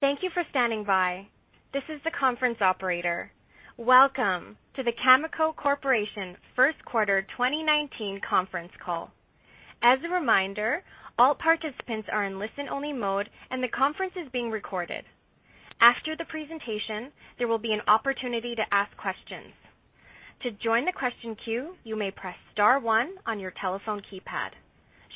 Thank you for standing by. This is the conference operator. Welcome to the Cameco Corporation First Quarter 2019 conference call. As a reminder, all participants are in listen-only mode, and the conference is being recorded. After the presentation, there will be an opportunity to ask questions. To join the question queue, you may press star one on your telephone keypad.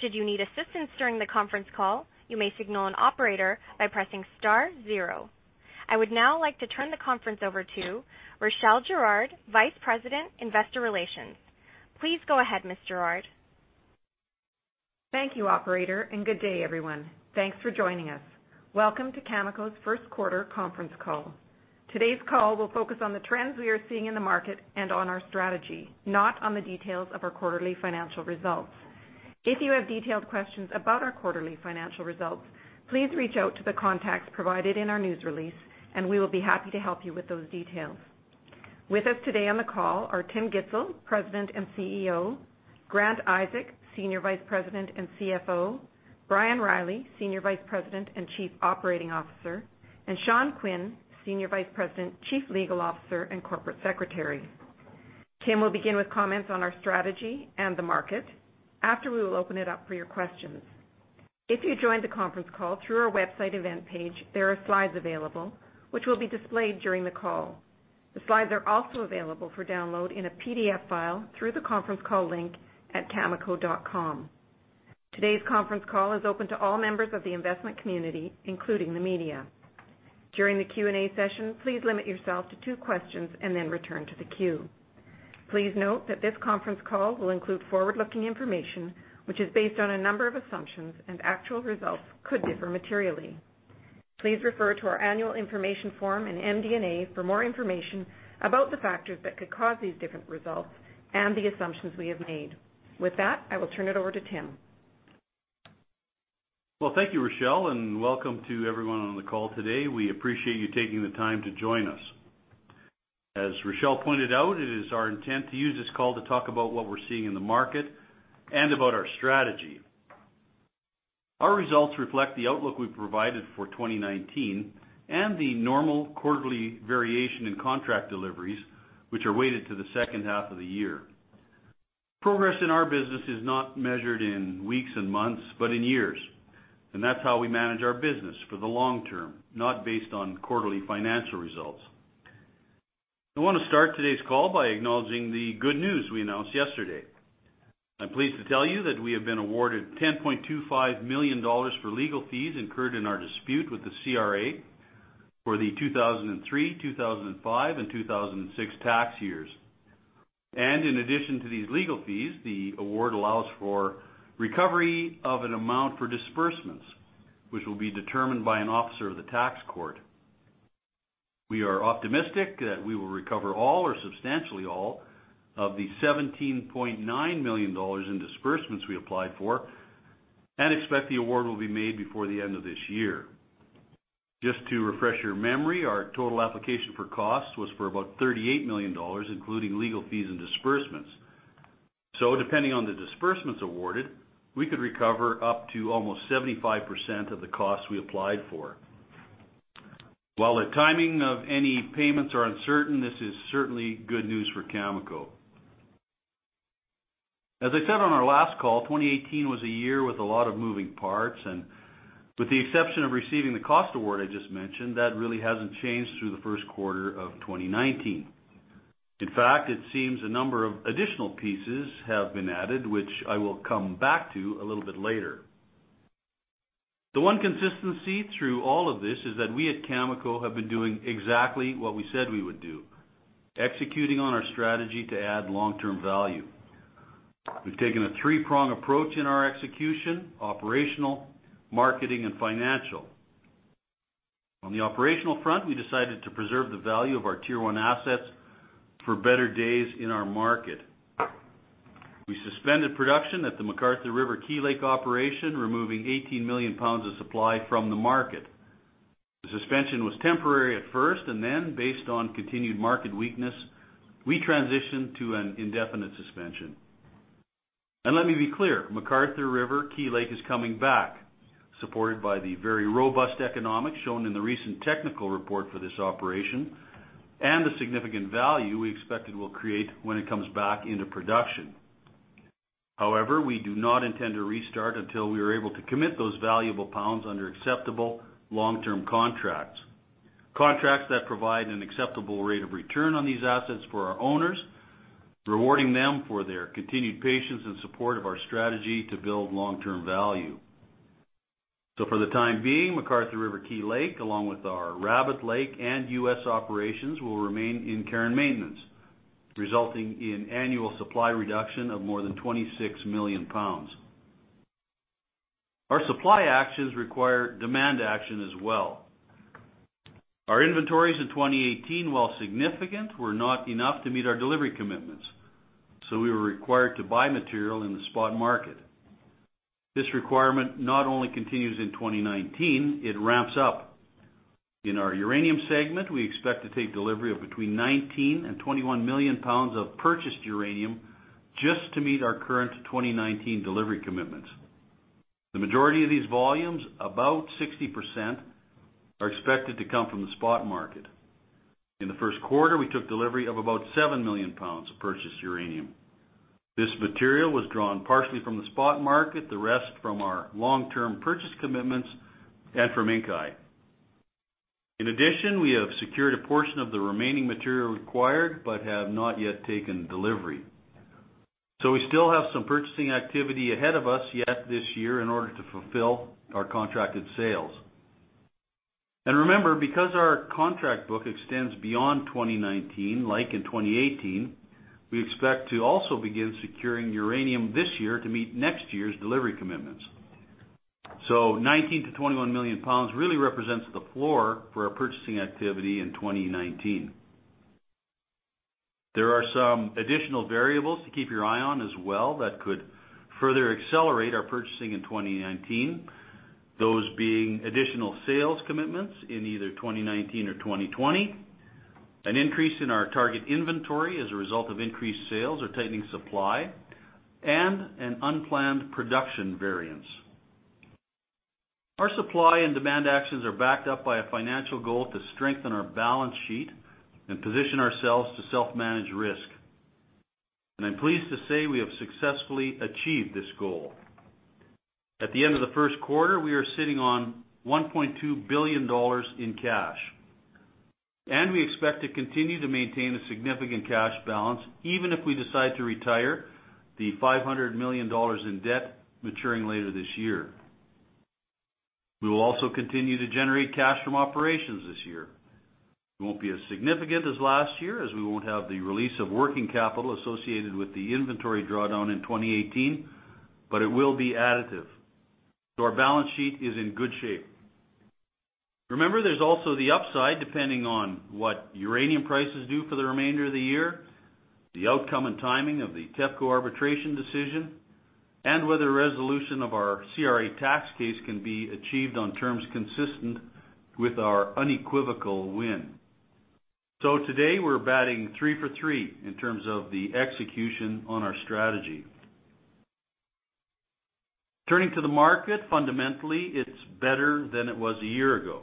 Should you need assistance during the conference call, you may signal an operator by pressing star zero. I would now like to turn the conference over to Rachelle Girard, Vice President, Investor Relations. Please go ahead, Ms. Girard. Thank you, operator, and good day, everyone. Thanks for joining us. Welcome to Cameco's first quarter conference call. Today's call will focus on the trends we are seeing in the market and on our strategy, not on the details of our quarterly financial results. If you have detailed questions about our quarterly financial results, please reach out to the contacts provided in our news release and we will be happy to help you with those details. With us today on the call are Tim Gitzel, President and CEO, Grant Isaac, Senior Vice President and CFO, Brian Reilly, Senior Vice President and Chief Operating Officer, and Sean Quinn, Senior Vice President, Chief Legal Officer, and Corporate Secretary. Tim will begin with comments on our strategy and the market. After, we will open it up for your questions. If you joined the conference call through our website event page, there are slides available which will be displayed during the call. The slides are also available for download in a PDF file through the conference call link at cameco.com. Today's conference call is open to all members of the investment community, including the media. During the Q&A session, please limit yourself to two questions and then return to the queue. Please note that this conference call will include forward-looking information, which is based on a number of assumptions and actual results could differ materially. Please refer to our annual information form and MD&A for more information about the factors that could cause these different results and the assumptions we have made. With that, I will turn it over to Tim. Well, thank you, Rachelle, and welcome to everyone on the call today. We appreciate you taking the time to join us. As Rachelle pointed out, it is our intent to use this call to talk about what we're seeing in the market and about our strategy. Our results reflect the outlook we've provided for 2019 and the normal quarterly variation in contract deliveries, which are weighted to the second half of the year. Progress in our business is not measured in weeks and months, but in years, and that's how we manage our business for the long term, not based on quarterly financial results. I want to start today's call by acknowledging the good news we announced yesterday. I'm pleased to tell you that we have been awarded 10.25 million dollars for legal fees incurred in our dispute with the CRA for the 2003, 2005, and 2006 tax years. In addition to these legal fees, the award allows for recovery of an amount for disbursements, which will be determined by an officer of the tax court. We are optimistic that we will recover all or substantially all of the 17.9 million dollars in disbursements we applied for and expect the award will be made before the end of this year. Just to refresh your memory, our total application for costs was for about 38 million dollars, including legal fees and disbursements. Depending on the disbursements awarded, we could recover up to almost 75% of the costs we applied for. While the timing of any payments are uncertain, this is certainly good news for Cameco. As I said on our last call, 2018 was a year with a lot of moving parts, and with the exception of receiving the cost award I just mentioned, that really hasn't changed through the first quarter of 2019. In fact, it seems a number of additional pieces have been added, which I will come back to a little bit later. The one consistency through all of this is that we at Cameco have been doing exactly what we said we would do, executing on our strategy to add long-term value. We've taken a three-prong approach in our execution: operational, marketing, and financial. On the operational front, we decided to preserve the value of our Tier 1 assets for better days in our market. We suspended production at the McArthur River/Key Lake operation, removing 18 million pounds of supply from the market. The suspension was temporary at first, and then, based on continued market weakness, we transitioned to an indefinite suspension. Let me be clear, McArthur River/Key Lake is coming back, supported by the very robust economics shown in the recent technical report for this operation and the significant value we expect it will create when it comes back into production. However, we do not intend to restart until we are able to commit those valuable pounds under acceptable long-term contracts that provide an acceptable rate of return on these assets for our owners, rewarding them for their continued patience and support of our strategy to build long-term value. For the time being, McArthur River/Key Lake, along with our Rabbit Lake and U.S. operations, will remain in care and maintenance, resulting in annual supply reduction of more than 26 million pounds. Our supply actions require demand action as well. Our inventories in 2018, while significant, were not enough to meet our delivery commitments, so we were required to buy material in the spot market. This requirement not only continues in 2019, it ramps up in our uranium segment. We expect to take delivery of between 19 and 21 million pounds of purchased uranium just to meet our current 2019 delivery commitments. The majority of these volumes, about 60%, are expected to come from the spot market. In the first quarter, we took delivery of about seven million pounds of purchased uranium. This material was drawn partially from the spot market, the rest from our long-term purchase commitments, and from Inkai. In addition, we have secured a portion of the remaining material required but have not yet taken delivery. We still have some purchasing activity ahead of us yet this year in order to fulfill our contracted sales. Remember, because our contract book extends beyond 2019, like in 2018, we expect to also begin securing uranium this year to meet next year's delivery commitments. 19 to 21 million pounds really represents the floor for our purchasing activity in 2019. There are some additional variables to keep your eye on as well that could further accelerate our purchasing in 2019. Those being additional sales commitments in either 2019 or 2020, an increase in our target inventory as a result of increased sales or tightening supply, and an unplanned production variance. Our supply and demand actions are backed up by a financial goal to strengthen our balance sheet and position ourselves to self-manage risk. I'm pleased to say we have successfully achieved this goal. At the end of the first quarter, we are sitting on 1.2 billion dollars in cash, and we expect to continue to maintain a significant cash balance even if we decide to retire the 500 million dollars in debt maturing later this year. We will also continue to generate cash from operations this year. It won't be as significant as last year, as we won't have the release of working capital associated with the inventory drawdown in 2018, but it will be additive. Our balance sheet is in good shape. Remember, there's also the upside, depending on what uranium prices do for the remainder of the year, the outcome and timing of the TEPCO arbitration decision, and whether resolution of our CRA tax case can be achieved on terms consistent with our unequivocal win. Today, we're batting three for three in terms of the execution on our strategy. Turning to the market, fundamentally, it's better than it was a year ago.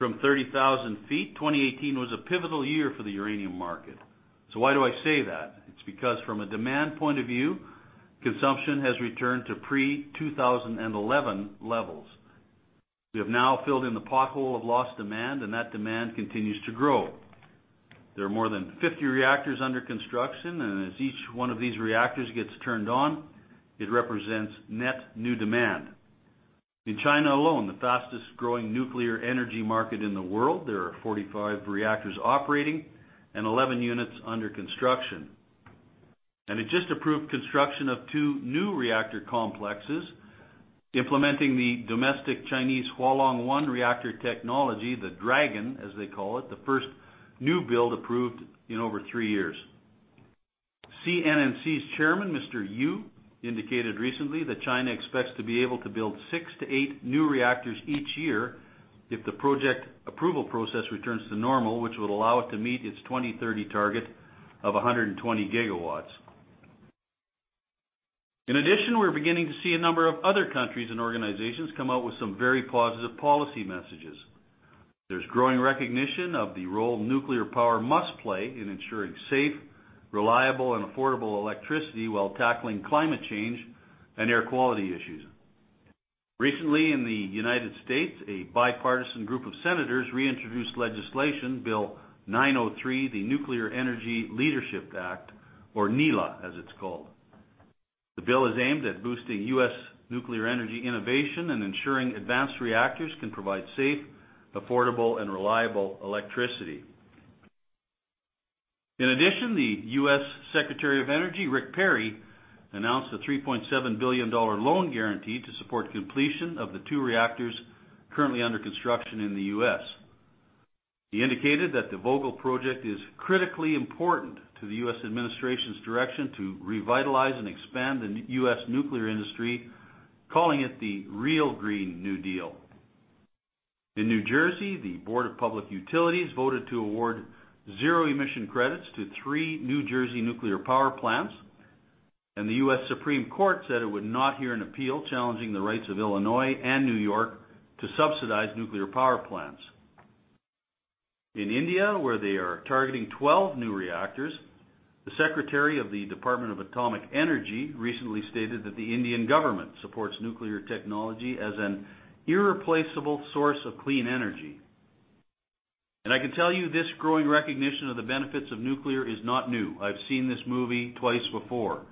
From 30,000 feet, 2018 was a pivotal year for the uranium market. Why do I say that? It's because from a demand point of view, consumption has returned to pre-2011 levels. We have now filled in the pothole of lost demand, and that demand continues to grow. There are more than 50 reactors under construction, and as each one of these reactors gets turned on, it represents net new demand. In China alone, the fastest-growing nuclear energy market in the world, there are 45 reactors operating and 11 units under construction. It just approved construction of two new reactor complexes implementing the domestic Chinese Hualong One reactor technology, the Dragon, as they call it, the first new build approved in over three years. CNNC's chairman, Mr. Yu, indicated recently that China expects to be able to build six to eight new reactors each year if the project approval process returns to normal, which would allow it to meet its 2030 target of 120 gigawatts. In addition, we're beginning to see a number of other countries and organizations come out with some very positive policy messages. There's growing recognition of the role nuclear power must play in ensuring safe, reliable, and affordable electricity while tackling climate change and air quality issues. Recently in the United States, a bipartisan group of senators reintroduced legislation, Bill 903, the Nuclear Energy Leadership Act, or NELA, as it's called. The bill is aimed at boosting U.S. nuclear energy innovation and ensuring advanced reactors can provide safe, affordable, and reliable electricity. The U.S. Secretary of Energy, Rick Perry, announced a $3.7 billion loan guarantee to support completion of the two reactors currently under construction in the U.S. He indicated that the Vogtle project is critically important to the U.S. administration's direction to revitalize and expand the U.S. nuclear industry, calling it the real Green New Deal. In New Jersey, the New Jersey Board of Public Utilities voted to award zero-emission credits to three New Jersey nuclear power plants, and the U.S. Supreme Court said it would not hear an appeal challenging the rights of Illinois and New York to subsidize nuclear power plants. In India, where they are targeting 12 new reactors, the Secretary of the Department of Atomic Energy recently stated that the Indian government supports nuclear technology as an irreplaceable source of clean energy. I can tell you this growing recognition of the benefits of nuclear is not new. I've seen this movie twice before.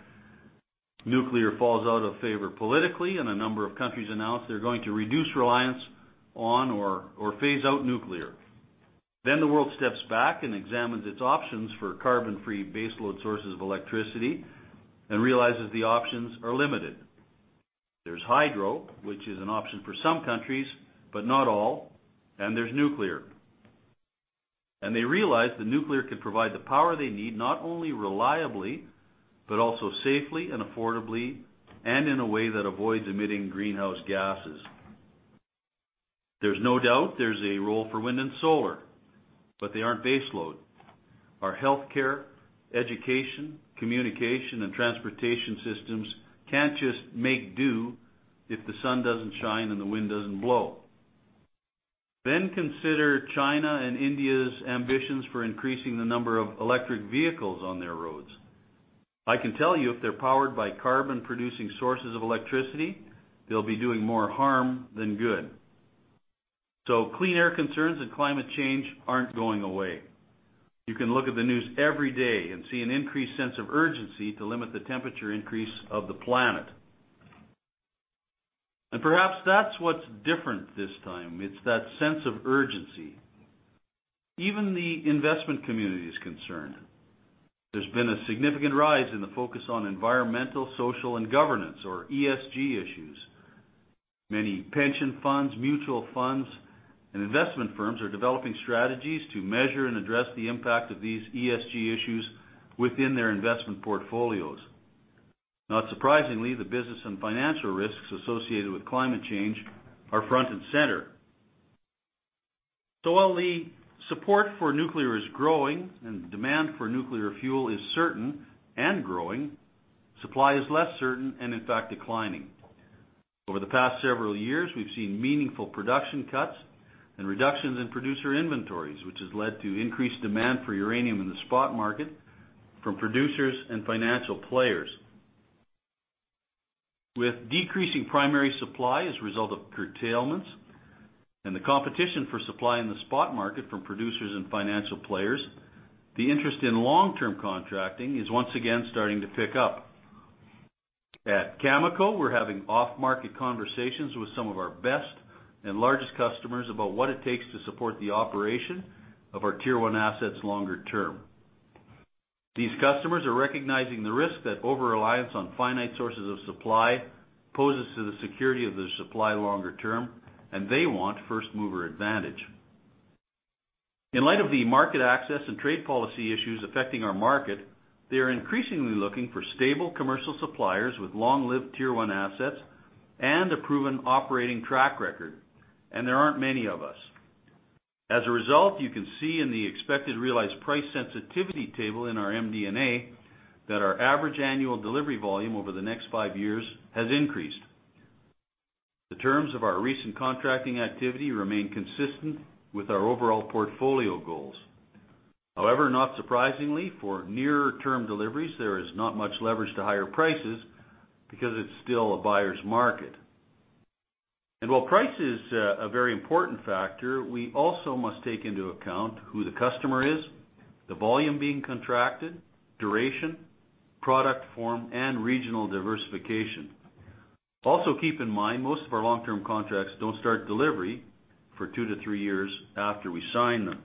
Nuclear falls out of favor politically, a number of countries announce they're going to reduce reliance on or phase out nuclear. The world steps back and examines its options for carbon-free baseload sources of electricity and realizes the options are limited. There's hydro, which is an option for some countries, but not all, and there's nuclear. They realize that nuclear can provide the power they need not only reliably, but also safely and affordably, and in a way that avoids emitting greenhouse gases. There's no doubt there's a role for wind and solar, but they aren't baseload. Our healthcare, education, communication, and transportation systems can't just make do if the sun doesn't shine and the wind doesn't blow. Consider China and India's ambitions for increasing the number of electric vehicles on their roads. I can tell you, if they're powered by carbon-producing sources of electricity, they'll be doing more harm than good. Clean air concerns and climate change aren't going away. You can look at the news every day and see an increased sense of urgency to limit the temperature increase of the planet. Perhaps that's what's different this time. It's that sense of urgency. Even the investment community is concerned. There's been a significant rise in the focus on environmental, social, and governance or ESG issues. Many pension funds, mutual funds, and investment firms are developing strategies to measure and address the impact of these ESG issues within their investment portfolios. Not surprisingly, the business and financial risks associated with climate change are front and center. While the support for nuclear is growing and the demand for nuclear fuel is certain and growing, supply is less certain and in fact declining. Over the past several years, we've seen meaningful production cuts and reductions in producer inventories, which has led to increased demand for uranium in the spot market from producers and financial players. With decreasing primary supply as a result of curtailments and the competition for supply in the spot market from producers and financial players, the interest in long-term contracting is once again starting to pick up. At Cameco, we're having off-market conversations with some of our best and largest customers about what it takes to support the operation of our Tier 1 assets longer term. These customers are recognizing the risk that over-reliance on finite sources of supply poses to the security of their supply longer term, and they want first-mover advantage. In light of the market access and trade policy issues affecting our market, they are increasingly looking for stable commercial suppliers with long-lived Tier 1 assets and a proven operating track record, and there aren't many of us. As a result, you can see in the expected realized price sensitivity table in our MD&A that our average annual delivery volume over the next five years has increased. The terms of our recent contracting activity remain consistent with our overall portfolio goals. However, not surprisingly, for nearer-term deliveries, there is not much leverage to higher prices because it's still a buyer's market. While price is a very important factor, we also must take into account who the customer is, the volume being contracted, duration, product form, and regional diversification. Also, keep in mind, most of our long-term contracts don't start delivery for two to three years after we sign them.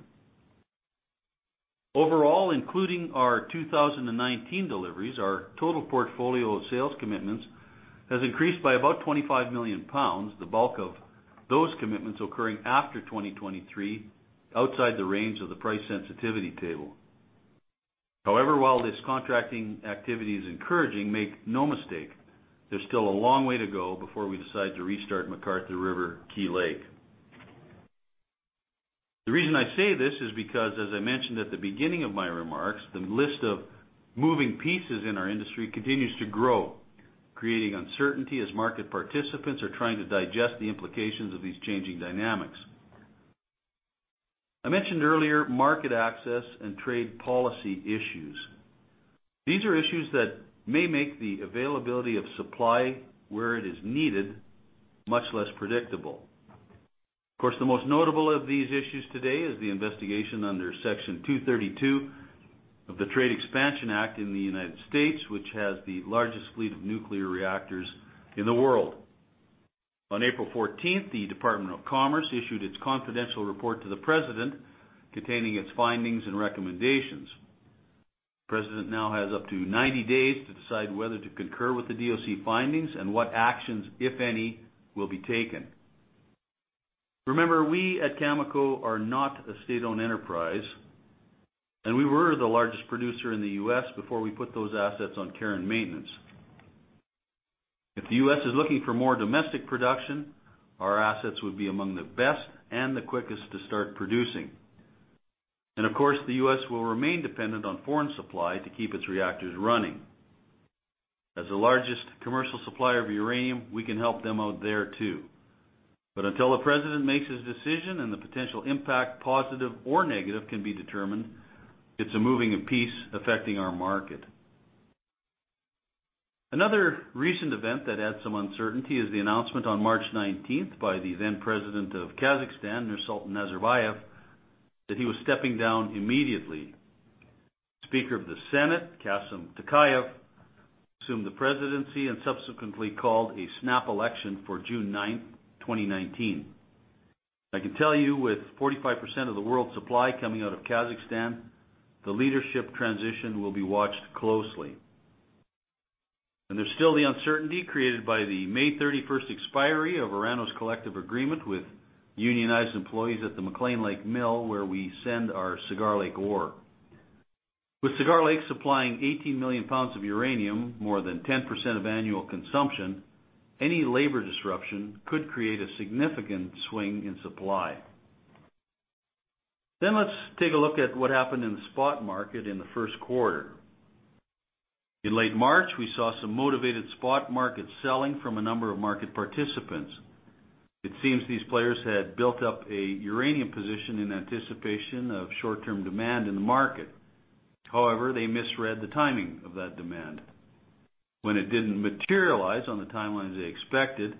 Overall, including our 2019 deliveries, our total portfolio of sales commitments has increased by about 25 million pounds, the bulk of those commitments occurring after 2023, outside the range of the price sensitivity table. However, while this contracting activity is encouraging, make no mistake, there's still a long way to go before we decide to restart McArthur River/Key Lake. The reason I say this is because, as I mentioned at the beginning of my remarks, the list of moving pieces in our industry continues to grow, creating uncertainty as market participants are trying to digest the implications of these changing dynamics. I mentioned earlier market access and trade policy issues. These are issues that may make the availability of supply where it is needed much less predictable. Of course, the most notable of these issues today is the investigation under Section 232 of the Trade Expansion Act in the United States, which has the largest fleet of nuclear reactors in the world. On April 14th, the Department of Commerce issued its confidential report to the President containing its findings and recommendations. The President now has up to 90 days to decide whether to concur with the DOC findings and what actions, if any, will be taken. Remember, we at Cameco are not a state-owned enterprise, and we were the largest producer in the U.S. before we put those assets on care and maintenance. If the U.S. is looking for more domestic production, our assets would be among the best and the quickest to start producing. Of course, the U.S. will remain dependent on foreign supply to keep its reactors running. As the largest commercial supplier of uranium, we can help them out there, too. Until the President makes his decision and the potential impact, positive or negative, can be determined, it's a moving piece affecting our market. Another recent event that adds some uncertainty is the announcement on March 19th by the then President of Kazakhstan, Nursultan Nazarbayev, that he was stepping down immediately. Speaker of the Senate, Kassym-Jomart Tokayev, assumed the presidency and subsequently called a snap election for June 9th, 2019. I can tell you, with 45% of the world's supply coming out of Kazakhstan, the leadership transition will be watched closely. There's still the uncertainty created by the May 31st expiry of Orano's collective agreement with unionized employees at the McClean Lake mill where we send our Cigar Lake ore. With Cigar Lake supplying 18 million pounds of uranium, more than 10% of annual consumption, any labor disruption could create a significant swing in supply. Let's take a look at what happened in the spot market in the first quarter. In late March, we saw some motivated spot market selling from a number of market participants. It seems these players had built up a uranium position in anticipation of short-term demand in the market. However, they misread the timing of that demand. When it didn't materialize on the timeline as they expected,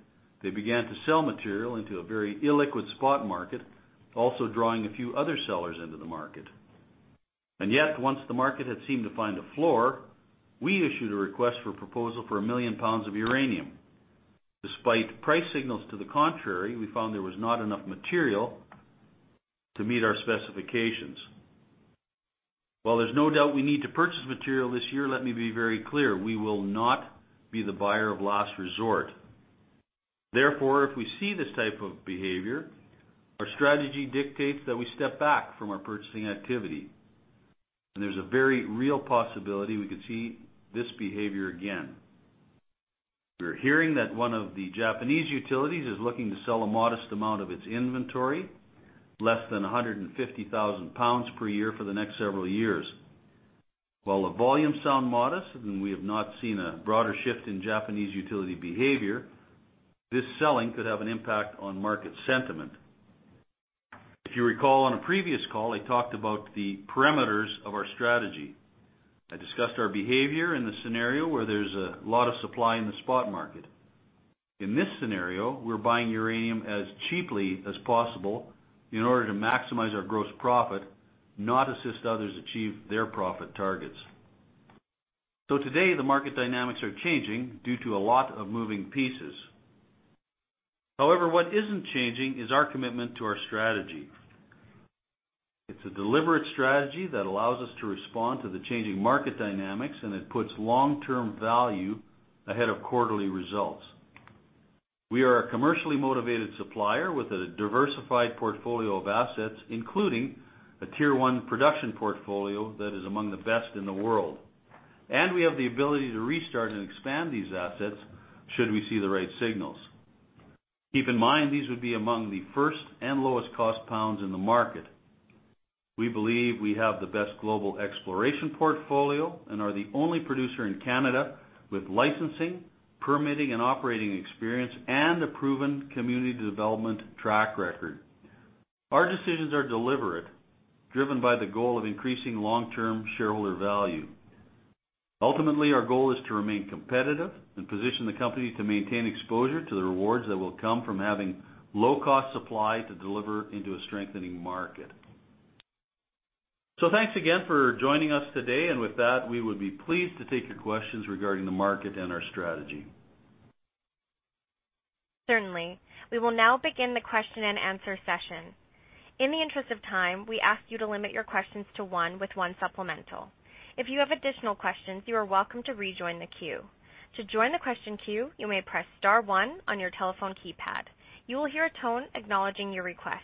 they began to sell material into a very illiquid spot market, also drawing a few other sellers into the market. Once the market had seemed to find a floor, we issued a request for proposal for 1 million pounds of uranium. Despite price signals to the contrary, we found there was not enough material to meet our specifications. While there's no doubt we need to purchase material this year, let me be very clear, we will not be the buyer of last resort. Therefore, if we see this type of behavior, our strategy dictates that we step back from our purchasing activity. There's a very real possibility we could see this behavior again. We're hearing that one of the Japanese utilities is looking to sell a modest amount of its inventory, less than 150,000 pounds per year for the next several years. While the volumes sound modest and we have not seen a broader shift in Japanese utility behavior, this selling could have an impact on market sentiment. If you recall on a previous call, I talked about the parameters of our strategy. I discussed our behavior in the scenario where there's a lot of supply in the spot market. In this scenario, we're buying uranium as cheaply as possible in order to maximize our gross profit, not assist others achieve their profit targets. Today, the market dynamics are changing due to a lot of moving pieces. However, what isn't changing is our commitment to our strategy. It's a deliberate strategy that allows us to respond to the changing market dynamics, and it puts long-term value ahead of quarterly results. We are a commercially motivated supplier with a diversified portfolio of assets, including a Tier 1 production portfolio that is among the best in the world. We have the ability to restart and expand these assets should we see the right signals. Keep in mind, these would be among the first and lowest cost pounds in the market. We believe we have the best global exploration portfolio and are the only producer in Canada with licensing, permitting, and operating experience and a proven community development track record. Our decisions are deliberate, driven by the goal of increasing long-term shareholder value. Ultimately, our goal is to remain competitive and position the company to maintain exposure to the rewards that will come from having low cost supply to deliver into a strengthening market. Thanks again for joining us today. With that, we would be pleased to take your questions regarding the market and our strategy. Certainly. We will now begin the question and answer session. In the interest of time, we ask you to limit your questions to one with one supplemental. If you have additional questions, you are welcome to rejoin the queue. To join the question queue, you may press star one on your telephone keypad. You will hear a tone acknowledging your request.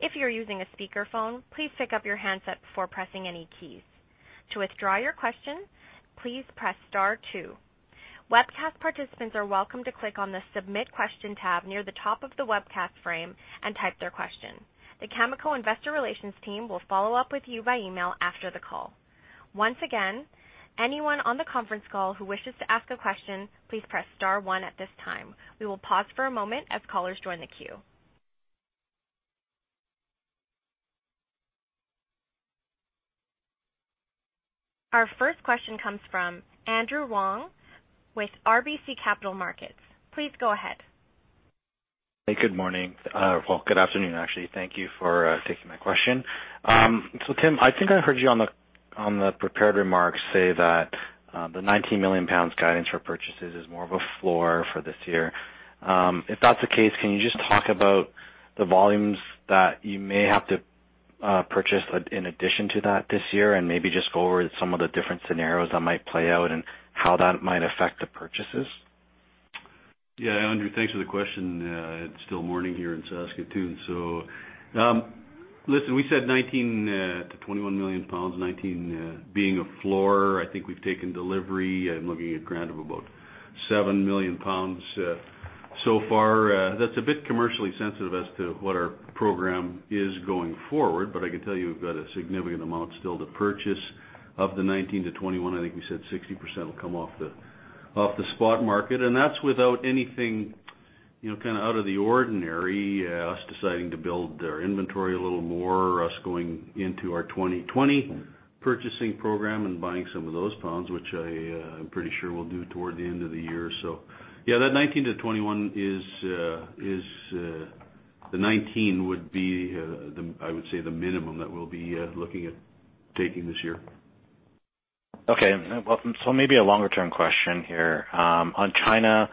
If you're using a speakerphone, please pick up your handset before pressing any keys. To withdraw your question, please press star two. Webcast participants are welcome to click on the Submit Question tab near the top of the webcast frame and type their question. The Cameco investor relations team will follow up with you by email after the call. Once again, anyone on the conference call who wishes to ask a question, please press star one at this time. We will pause for a moment as callers join the queue. Our first question comes from Andrew Wong with RBC Capital Markets. Please go ahead. Hey, good morning. Well, good afternoon, actually. Thank you for taking my question. Tim, I think I heard you on the prepared remarks say that the 19 million pounds guidance for purchases is more of a floor for this year. If that's the case, can you just talk about the volumes that you may have to purchase in addition to that this year and maybe just go over some of the different scenarios that might play out and how that might affect the purchases? Yeah, Andrew, thanks for the question. It's still morning here in Saskatoon. Listen, we said 19 million-21 million pounds, 19 being a floor. I think we've taken delivery, I'm looking at Grant, of about seven million pounds so far. That's a bit commercially sensitive as to what our program is going forward, but I can tell you we've got a significant amount still to purchase of the 19-21. I think we said 60% will come off the spot market, and that's without anything out of the ordinary, us deciding to build our inventory a little more, us going into our 2020 purchasing program and buying some of those pounds, which I'm pretty sure we'll do toward the end of the year. Yeah, that 19-21, the 19 would be, I would say, the minimum that we'll be looking at taking this year. Okay. Well, maybe a longer-term question here. On China,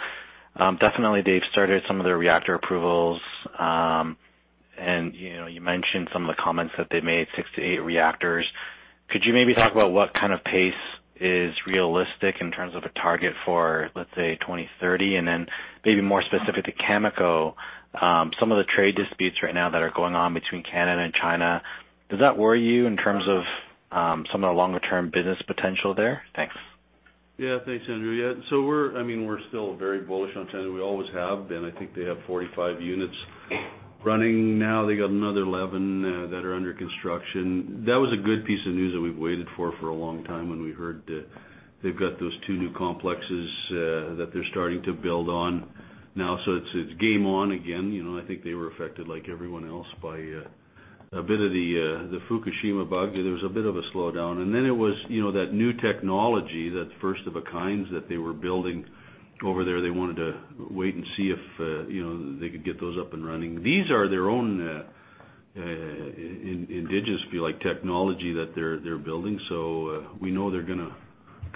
definitely they've started some of their reactor approvals. And you mentioned some of the comments that they made, 6 to 8 reactors. Could you maybe talk about what kind of pace is realistic in terms of a target for, let's say, 2030? And then maybe more specific to Cameco, some of the trade disputes right now that are going on between Canada and China, does that worry you in terms of some of the longer-term business potential there? Thanks. Yeah. Thanks, Andrew. We're still very bullish on China. We always have been. I think they have 45 units running now. They got another 11 that are under construction. That was a good piece of news that we've waited for a long time when we heard they've got those 2 new complexes that they're starting to build on now. It's game on again. I think they were affected like everyone else by a bit of the Fukushima bug. There was a bit of a slowdown. It was that new technology, that first-of-a-kinds that they were building over there. They wanted to wait and see if they could get those up and running. These are their own indigenous technology that they're building. We know they're going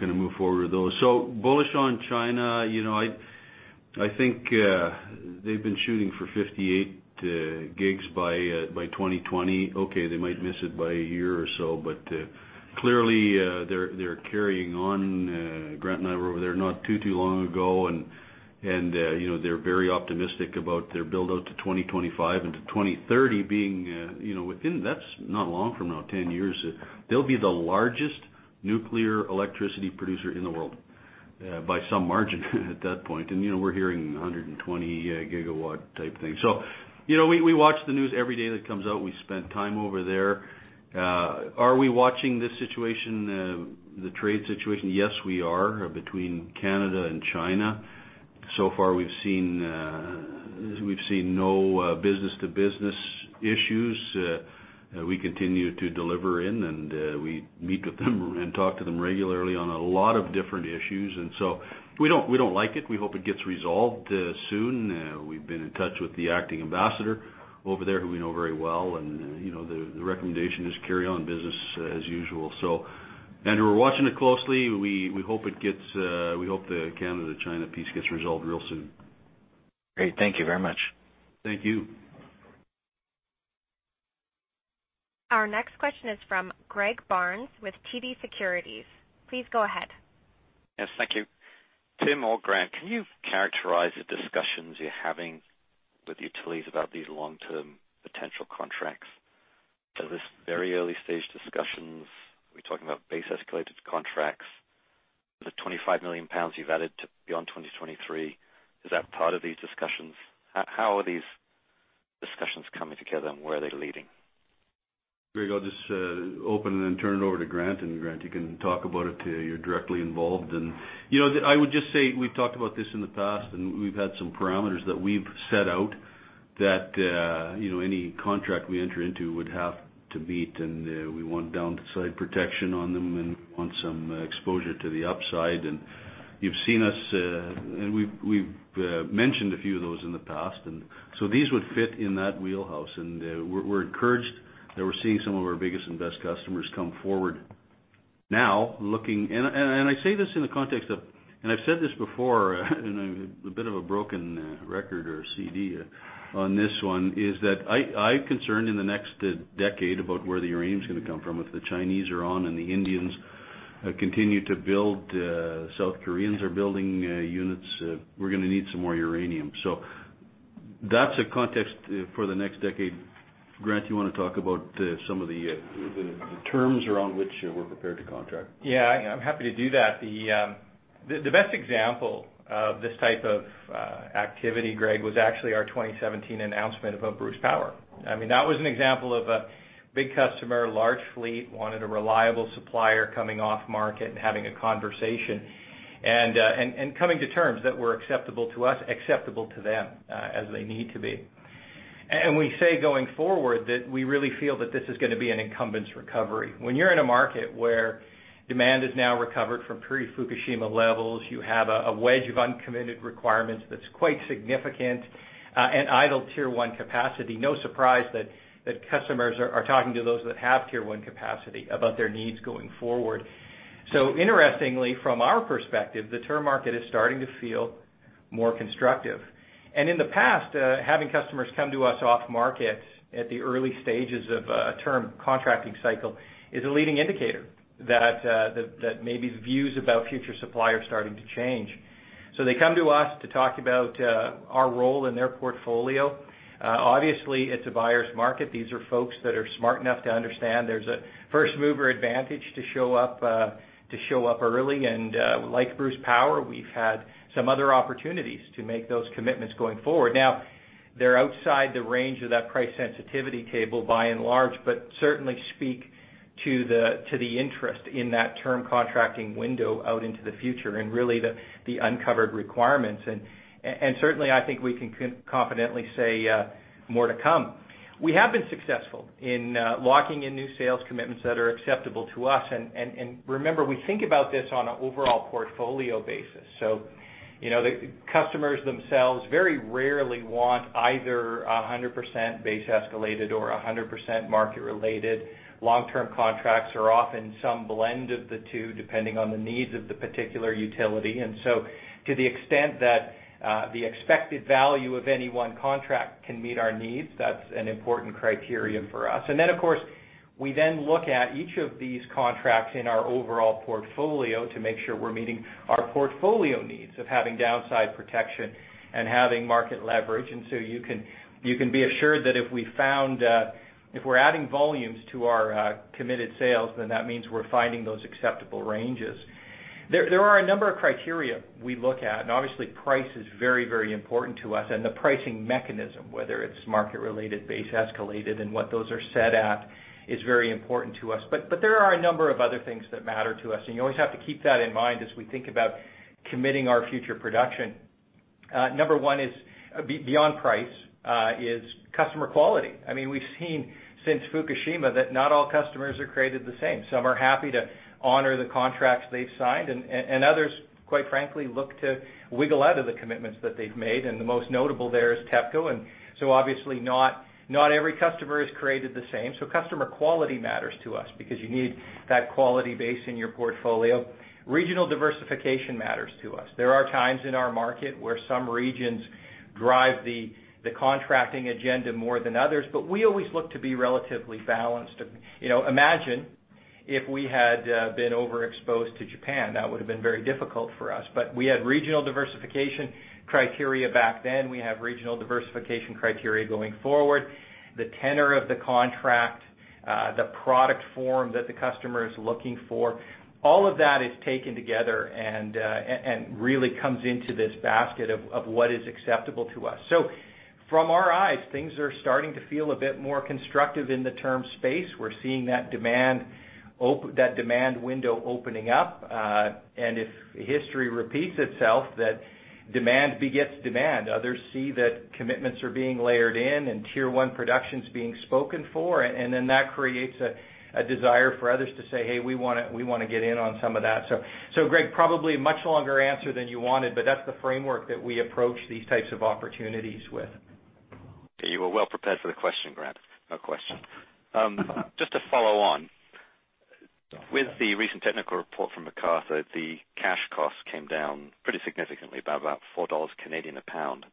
to move forward with those. Bullish on China. I think they've been shooting for 58 gigs by 2020. Okay, they might miss it by a year or so, clearly, they're carrying on. Grant and I were over there not too long ago, they're very optimistic about their build-out to 2025 and 2030 being within. That's not long from now, 10 years. They'll be the largest nuclear electricity producer in the world by some margin at that point. We're hearing 120 gigawatt type thing. We watch the news every day that comes out. We spent time over there. Are we watching this situation, the trade situation? Yes, we are, between Canada and China. Far, we've seen no business-to-business issues. We continue to deliver in, and we meet with them and talk to them regularly on a lot of different issues. We don't like it. We hope it gets resolved soon. We've been in touch with the acting ambassador over there, who we know very well, the recommendation is carry on business as usual. Andrew, we're watching it closely. We hope the Canada-China piece gets resolved real soon. Great. Thank you very much. Thank you. Our next question is from Greg Barnes with TD Securities. Please go ahead. Yes, thank you. Tim or Grant, can you characterize the discussions you're having with utilities about these long-term potential contracts? Are this very early stage discussions? Are we talking about base escalated contracts? The 25 million pounds you've added beyond 2023, is that part of these discussions? How are these discussions coming together, and where are they leading? Greg, I'll just open and then turn it over to Grant. Grant, you can talk about it. You're directly involved. I would just say we've talked about this in the past, and we've had some parameters that we've set out that any contract we enter into would have to meet, and we want downside protection on them, and we want some exposure to the upside. You've seen us, and we've mentioned a few of those in the past. So these would fit in that wheelhouse. We're encouraged that we're seeing some of our biggest and best customers come forward now looking. I say this in the context of, and I've said this before, and I'm a bit of a broken record or CD on this one, is that I'm concerned in the next decade about where the uranium's going to come from. If the Chinese are on and the Indians continue to build, South Koreans are building units, we're going to need some more uranium. That's a context for the next decade. Grant, you want to talk about some of the terms around which we're prepared to contract? Yeah. I'm happy to do that. The best example of this type of activity, Greg, was actually our 2017 announcement about Bruce Power. That was an example of a big customer, large fleet, wanted a reliable supplier coming off market and having a conversation and coming to terms that were acceptable to us, acceptable to them as they need to be. We say going forward that we really feel that this is going to be an incumbents recovery. When you're in a market where demand is now recovered from pre-Fukushima levels, you have a wedge of uncommitted requirements that's quite significant, and idle tier 1 capacity, no surprise that customers are talking to those that have tier 1 capacity about their needs going forward. Interestingly, from our perspective, the term market is starting to feel more constructive. In the past, having customers come to us off market at the early stages of a term contracting cycle is a leading indicator that maybe views about future supply are starting to change. They come to us to talk about our role in their portfolio. Obviously, it's a buyer's market. These are folks that are smart enough to understand there's a first-mover advantage to show up early. Like Bruce Power, we've had some other opportunities to make those commitments going forward. Now, they're outside the range of that price sensitivity table by and large, but certainly speak to the interest in that term contracting window out into the future and really the uncovered requirements. Certainly, I think we can confidently say more to come. We have been successful in locking in new sales commitments that are acceptable to us. Remember, we think about this on an overall portfolio basis. The customers themselves very rarely want either 100% base escalated or 100% market related. Long-term contracts are often some blend of the two, depending on the needs of the particular utility. To the extent that the expected value of any one contract can meet our needs, that's an important criterion for us. Then, of course, we then look at each of these contracts in our overall portfolio to make sure we're meeting our portfolio needs of having downside protection and having market leverage. You can be assured that if we're adding volumes to our committed sales, then that means we're finding those acceptable ranges. There are a number of criteria we look at, obviously price is very important to us and the pricing mechanism, whether it's market-related, base escalated, and what those are set at is very important to us. There are a number of other things that matter to us, and you always have to keep that in mind as we think about committing our future production. Number one is, beyond price, is customer quality. We've seen since Fukushima that not all customers are created the same. Some are happy to honor the contracts they've signed, and others, quite frankly, look to wiggle out of the commitments that they've made, and the most notable there is TEPCO. Obviously not every customer is created the same. Customer quality matters to us because you need that quality base in your portfolio. Regional diversification matters to us. There are times in our market where some regions drive the contracting agenda more than others, we always look to be relatively balanced. Imagine if we had been overexposed to Japan. That would have been very difficult for us. We had regional diversification criteria back then. We have regional diversification criteria going forward. The tenor of the contract, the product form that the customer is looking for, all of that is taken together and really comes into this basket of what is acceptable to us. From our eyes, things are starting to feel a bit more constructive in the term space. We're seeing that demand window opening up. If history repeats itself, that demand begets demand. Others see that commitments are being layered in, tier 1 production's being spoken for, then that creates a desire for others to say, "Hey, we want to get in on some of that." Greg, probably a much longer answer than you wanted, that's the framework that we approach these types of opportunities with. You were well prepared for the question, Grant. No question. Just to follow on. With the recent technical report from McArthur, the cash cost came down pretty significantly, by about 4 Canadian dollars a pound.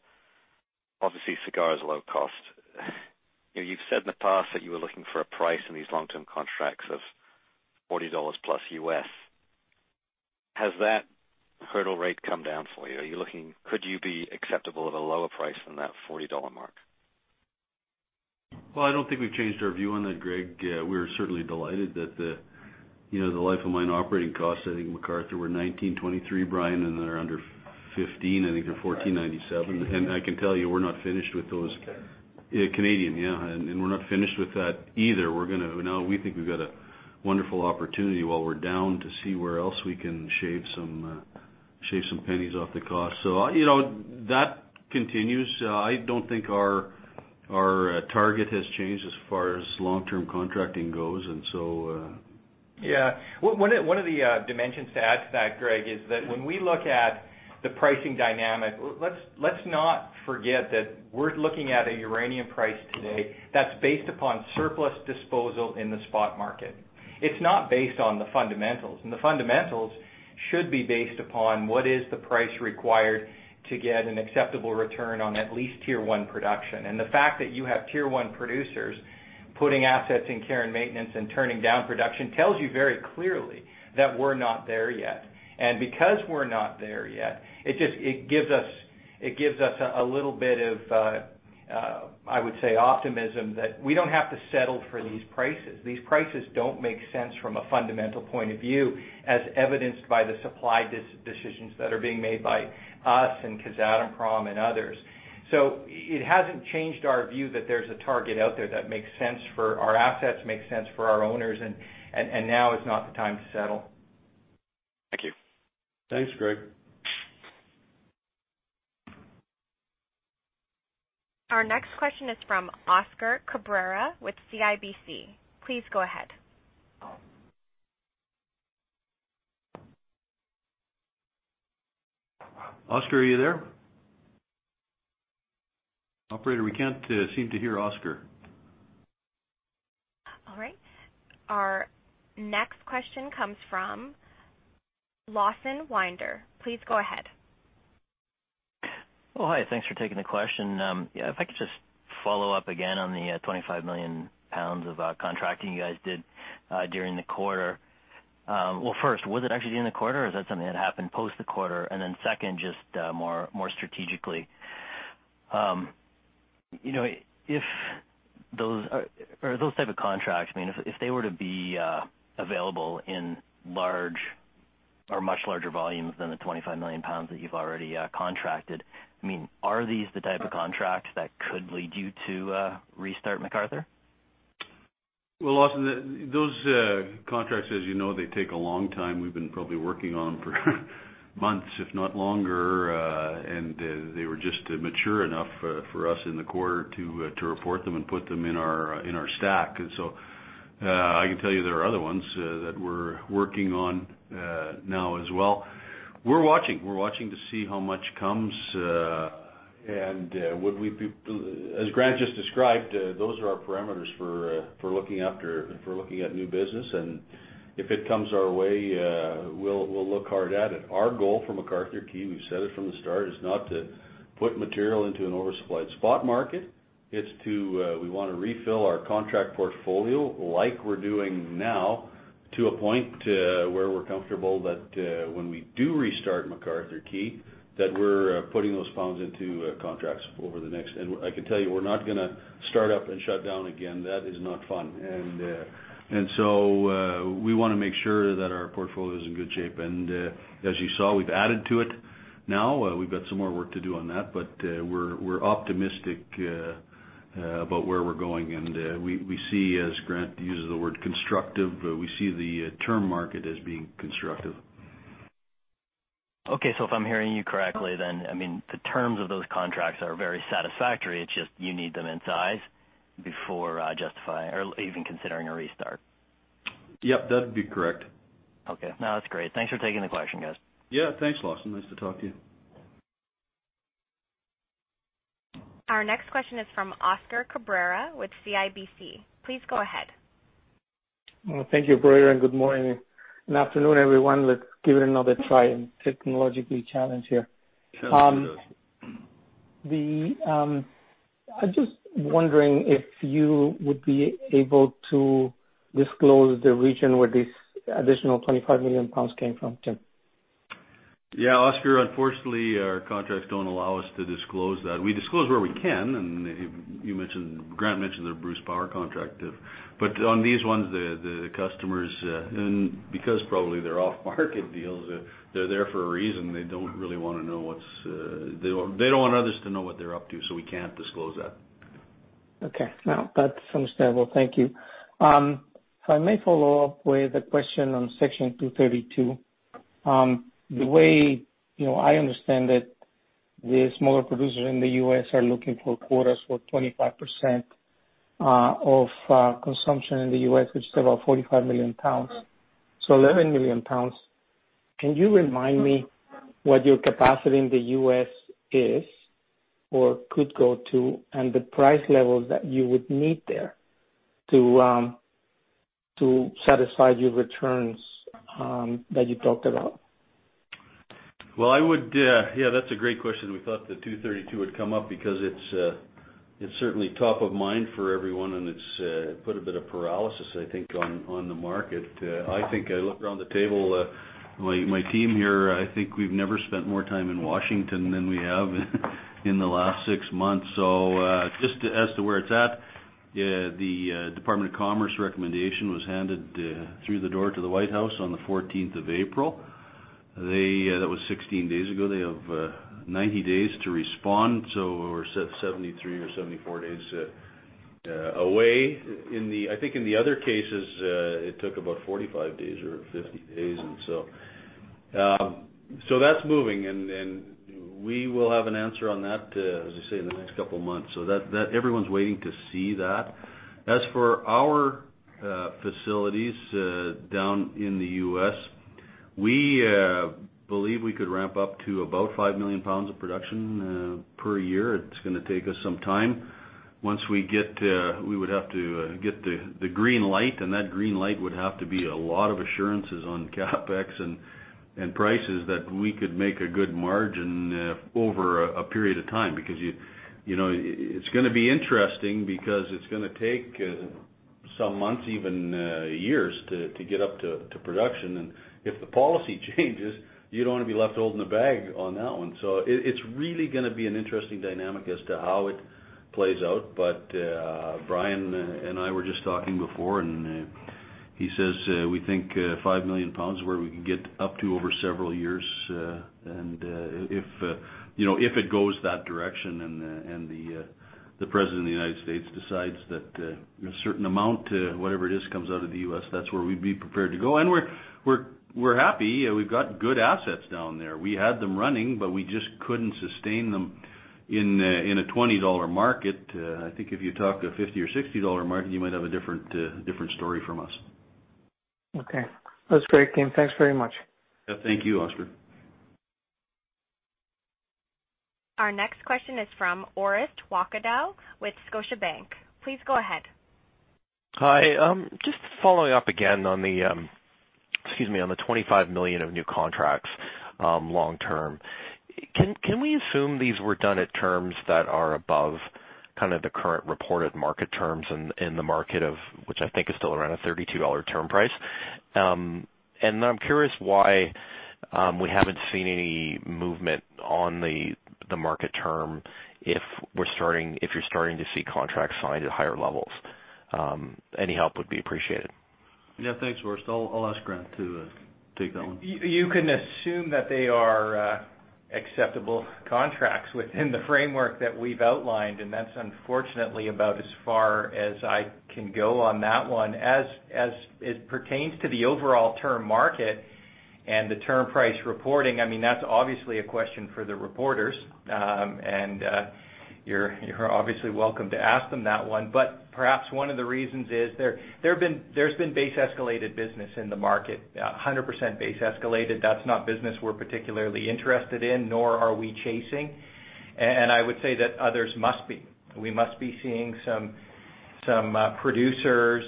Obviously, Cigar is low cost. You've said in the past that you were looking for a price in these long-term contracts of $40-plus U.S. Has that hurdle rate come down for you? Could you be acceptable at a lower price than that $40 mark? I don't think we've changed our view on that, Greg. We were certainly delighted that the life of mine operating costs, I think McArthur were 19.23, Brian, and they're under 15. I think they're 14.97. I can tell you, we're not finished with those. Canadian. Yeah, Canadian. We're not finished with that either. We think we've got a wonderful opportunity while we're down to see where else we can shave some pennies off the cost. That continues. I don't think our target has changed as far as long-term contracting goes. Yeah. One of the dimensions to add to that, Greg, is that when we look at the pricing dynamic, let's not forget that we're looking at a uranium price today that's based upon surplus disposal in the spot market. It's not based on the fundamentals, and the fundamentals should be based upon what is the price required to get an acceptable return on at least tier 1 production. The fact that you have tier 1 producers putting assets in care and maintenance and turning down production tells you very clearly that we're not there yet. Because we're not there yet, it gives us a little bit of, I would say, optimism that we don't have to settle for these prices. These prices don't make sense from a fundamental point of view, as evidenced by the supply decisions that are being made by us and Kazatomprom and others. It hasn't changed our view that there's a target out there that makes sense for our assets, makes sense for our owners, and now is not the time to settle. Thank you. Thanks, Greg. Our next question is from Oscar Cabrera with CIBC. Please go ahead. Oscar, are you there? Operator, we can't seem to hear Oscar. All right. Our next question comes from Lawson Winder. Please go ahead. Well, hi. Thanks for taking the question. If I could just follow up again on the 25 million pounds of contracting you guys did during the quarter. Well, first, was it actually during the quarter, or is that something that happened post the quarter? Second, just more strategically. Those type of contracts, if they were to be available in much larger volumes than the 25 million pounds that you've already contracted, are these the type of contracts that could lead you to restart McArthur? Well, Lawson, those contracts, as you know, they take a long time. We've been probably working on them for months, if not longer. They were just mature enough for us in the quarter to report them and put them in our stack. I can tell you there are other ones that we're working on now as well. We're watching to see how much comes. As Grant just described, those are our parameters for looking at new business. If it comes our way, we'll look hard at it. Our goal for McArthur Key, we've said it from the start, is not to put material into an oversupplied spot market. We want to refill our contract portfolio like we're doing now to a point where we're comfortable that when we do restart McArthur Key, that we're putting those pounds into contracts. I can tell you, we're not going to start up and shut down again. That is not fun. We want to make sure that our portfolio is in good shape. As you saw, we've added to it now. We've got some more work to do on that, but we're optimistic about where we're going. We see, as Grant uses the word constructive, we see the term market as being constructive. Okay. If I'm hearing you correctly, the terms of those contracts are very satisfactory. It's just you need them in size before even considering a restart. Yep. That'd be correct. Okay. No, that's great. Thanks for taking the question, guys. Yeah. Thanks, Lawson. Nice to talk to you. Our next question is from Oscar Cabrera with CIBC. Please go ahead. Thank you, operator. Good morning. Good afternoon, everyone. Let's give it another try. I'm technologically challenged here. Yes, we know. I'm just wondering if you would be able to disclose the region where this additional 25 million pounds came from, Tim. Yeah, Oscar. Unfortunately, our contracts don't allow us to disclose that. We disclose where we can, and Grant mentioned the Bruce Power contract. On these ones, the customers, and because probably they're off-market deals, they're there for a reason. They don't want others to know what they're up to, so we can't disclose that. Okay. No, that's understandable. Thank you. If I may follow up with a question on Section 232. The way I understand it, the smaller producers in the U.S. are looking for quotas for 25% of consumption in the U.S., which is about 45 million pounds. 11 million pounds. Can you remind me what your capacity in the U.S. is or could go to, and the price levels that you would need there to satisfy your returns that you talked about? Yeah, that's a great question. We thought the 232 would come up because it's certainly top of mind for everyone, and it's put a bit of paralysis, I think, on the market. I look around the table at my team here. I think we've never spent more time in Washington than we have in the last six months. Just as to where it's at, the Department of Commerce recommendation was handed through the door to the White House on the 14th of April. That was 16 days ago. They have 90 days to respond, we're 73 or 74 days away. I think in the other cases, it took about 45 days or 50 days. That's moving, and we will have an answer on that, as I say, in the next couple of months. Everyone's waiting to see that. As for our facilities down in the U.S., we believe we could ramp up to about 5 million pounds of production per year. It's going to take us some time. We would have to get the green light, and that green light would have to be a lot of assurances on CapEx and prices that we could make a good margin over a period of time. It's going to be interesting because it's going to take some months, even years, to get up to production. If the policy changes, you don't want to be left holding the bag on that one. It's really going to be an interesting dynamic as to how it plays out. Brian and I were just talking before, and he says we think 5 million pounds is where we can get up to over several years. If it goes that direction and the President of the United States decides that a certain amount, whatever it is, comes out of the U.S., that's where we'd be prepared to go. We're happy. We've got good assets down there. We had them running, but we just couldn't sustain them in a 20 dollar market. I think if you talk to a 50 or 60 dollar market, you might have a different story from us. Okay. That's great, Tim. Thanks very much. Yeah. Thank you, Oscar. Our next question is from Orest Wowkodaw with Scotiabank. Please go ahead. Hi. Just following up again on the 25 million of new contracts long term. Can we assume these were done at terms that are above kind of the current reported market terms in the market of which I think is still around a 32 dollar term price? I'm curious why we haven't seen any movement on the market term if you're starting to see contracts signed at higher levels. Any help would be appreciated. Yeah. Thanks, Orest. I'll ask Grant to take that one. You can assume that they are acceptable contracts within the framework that we've outlined, and that's unfortunately about as far as I can go on that one. As it pertains to the overall term market and the term price reporting, that's obviously a question for the reporters. You're obviously welcome to ask them that one, but perhaps one of the reasons is there's been base escalated business in the market, 100% base escalated. That's not business we're particularly interested in, nor are we chasing. I would say that others must be. We must be seeing some producers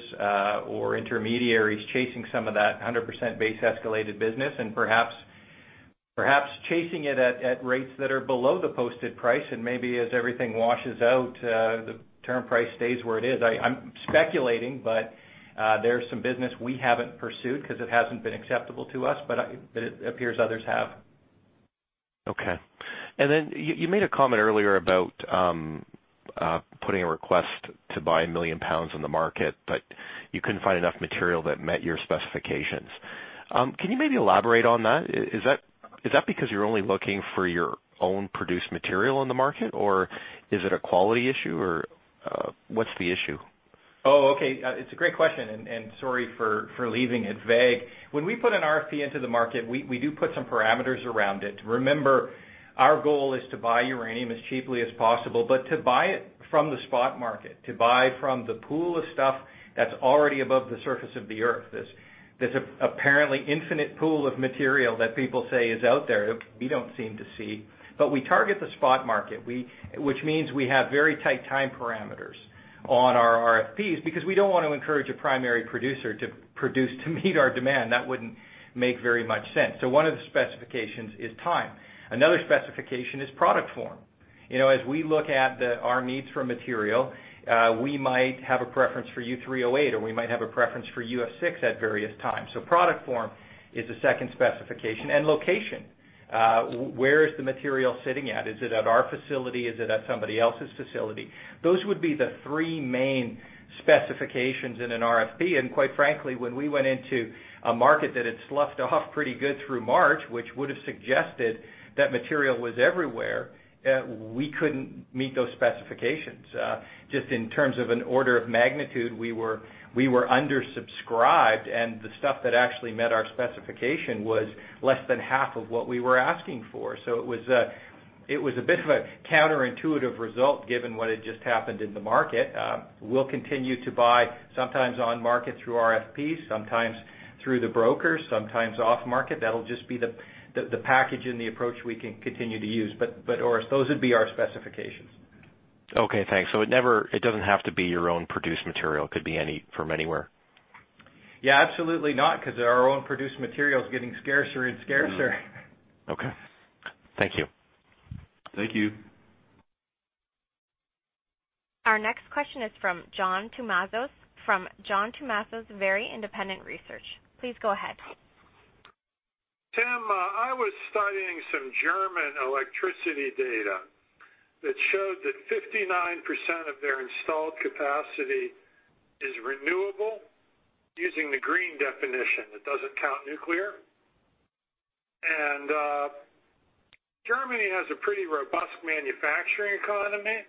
or intermediaries chasing some of that 100% base escalated business and perhaps chasing it at rates that are below the posted price, and maybe as everything washes out, the term price stays where it is. I'm speculating, but there's some business we haven't pursued because it hasn't been acceptable to us, but it appears others have. Okay. You made a comment earlier about putting a request to buy 1 million pounds on the market, but you couldn't find enough material that met your specifications. Can you maybe elaborate on that? Is that because you're only looking for your own produced material in the market, or is it a quality issue, or what's the issue? Okay. It's a great question, and sorry for leaving it vague. When we put an RFP into the market, we do put some parameters around it. Remember, our goal is to buy uranium as cheaply as possible, but to buy it from the spot market, to buy from the pool of stuff that's already above the surface of the Earth. This apparently infinite pool of material that people say is out there, we don't seem to see. We target the spot market, which means we have very tight time parameters on our RFPs because we don't want to encourage a primary producer to produce to meet our demand. That wouldn't make very much sense. One of the specifications is time. Another specification is product form. As we look at our needs for material, we might have a preference for U3O8, or we might have a preference for UF6 at various times. Product form is a second specification. Location. Where is the material sitting at? Is it at our facility? Is it at somebody else's facility? Those would be the three main specifications in an RFP, and quite frankly, when we went into a market that had sloughed off pretty good through March, which would've suggested that material was everywhere, we couldn't meet those specifications. Just in terms of an order of magnitude, we were undersubscribed, and the stuff that actually met our specification was less than half of what we were asking for. It was a bit of a counterintuitive result given what had just happened in the market. We'll continue to buy sometimes on market through RFPs, sometimes through the brokers, sometimes off market. That'll just be the package and the approach we can continue to use. Orest, those would be our specifications. Okay, thanks. It doesn't have to be your own produced material, could be from anywhere. Yeah, absolutely not, because our own produced material is getting scarcer and scarcer. Okay. Thank you. Thank you. Our next question is from John Toumazos from John Toumazos Very Independent Research. Please go ahead. Tim, I was studying some German electricity data that showed that 59% of their installed capacity is renewable, using the green definition that doesn't count nuclear. Germany has a pretty robust manufacturing economy.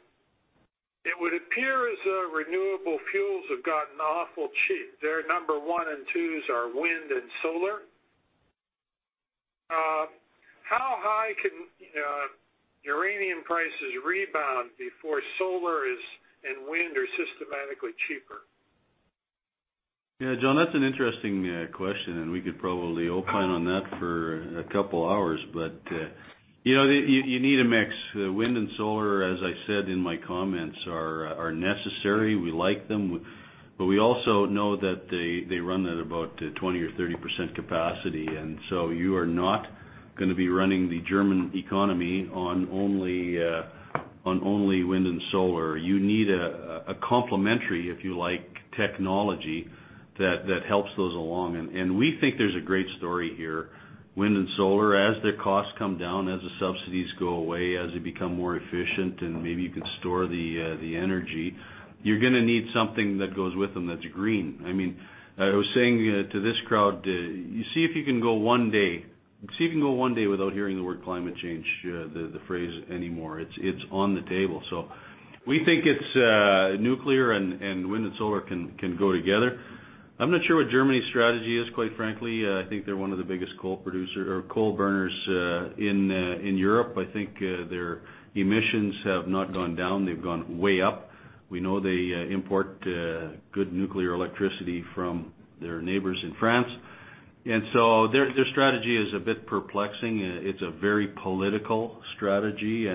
It would appear as though renewable fuels have gotten awful cheap. Their number one and twos are wind and solar. How high can uranium prices rebound before solar and wind are systematically cheaper? Yeah, John, that's an interesting question. We could probably opine on that for a couple hours. You need a mix. Wind and solar, as I said in my comments, are necessary. We like them, but we also know that they run at about 20% or 30% capacity. So you are not going to be running the German economy on only wind and solar. You need a complementary, if you like, technology that helps those along. We think there's a great story here. Wind and solar, as their costs come down, as the subsidies go away, as they become more efficient, and maybe you can store the energy, you're going to need something that goes with them that's green. I was saying to this crowd, see if you can go one day without hearing the word climate change, the phrase, anymore. It's on the table. We think nuclear and wind and solar can go together. I'm not sure what Germany's strategy is, quite frankly. I think they're one of the biggest coal burners in Europe. I think their emissions have not gone down. They've gone way up. We know they import good nuclear electricity from their neighbors in France. Their strategy is a bit perplexing. It's a very political strategy.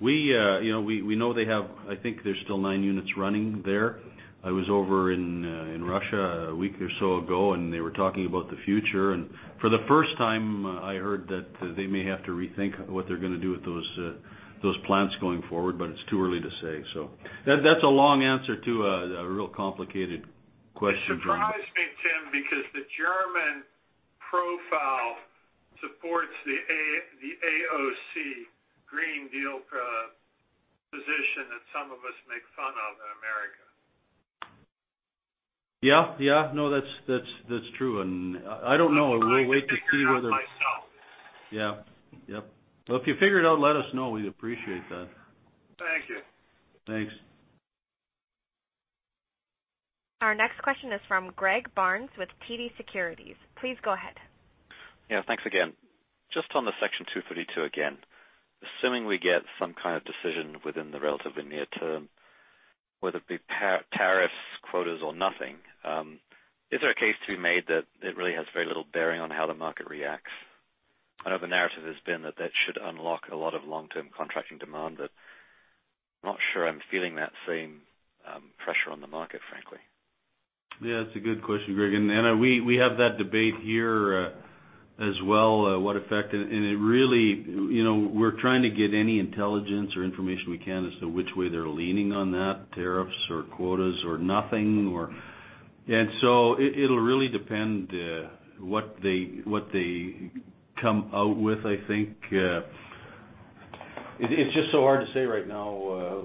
We know they have, I think there's still 9 units running there. I was over in Russia a week or so ago, and they were talking about the future. For the first time, I heard that they may have to rethink what they're going to do with those plants going forward, but it's too early to say. That's a long answer to a real complicated question, John. Surprised me, Tim, because the German profile supports the AOC Green Deal position that some of us make fun of in America. Yeah. No, that's true. I don't know. We'll wait to see whether- I'm trying to figure it out myself. Yeah. Well, if you figure it out, let us know. We'd appreciate that. Thank you. Thanks. Our next question is from Greg Barnes with TD Securities. Please go ahead. Yeah, thanks again. Just on the Section 232 again, assuming we get some kind of decision within the relatively near term, whether it be tariffs, quotas, or nothing, is there a case to be made that it really has very little bearing on how the market reacts? I know the narrative has been that that should unlock a lot of long-term contracting demand. I'm not sure I'm feeling that same pressure on the market, frankly. Yeah, it's a good question, Greg. We have that debate here as well, what effect. We're trying to get any intelligence or information we can as to which way they're leaning on that, tariffs or quotas or nothing. It'll really depend what they come out with, I think. It's just so hard to say right now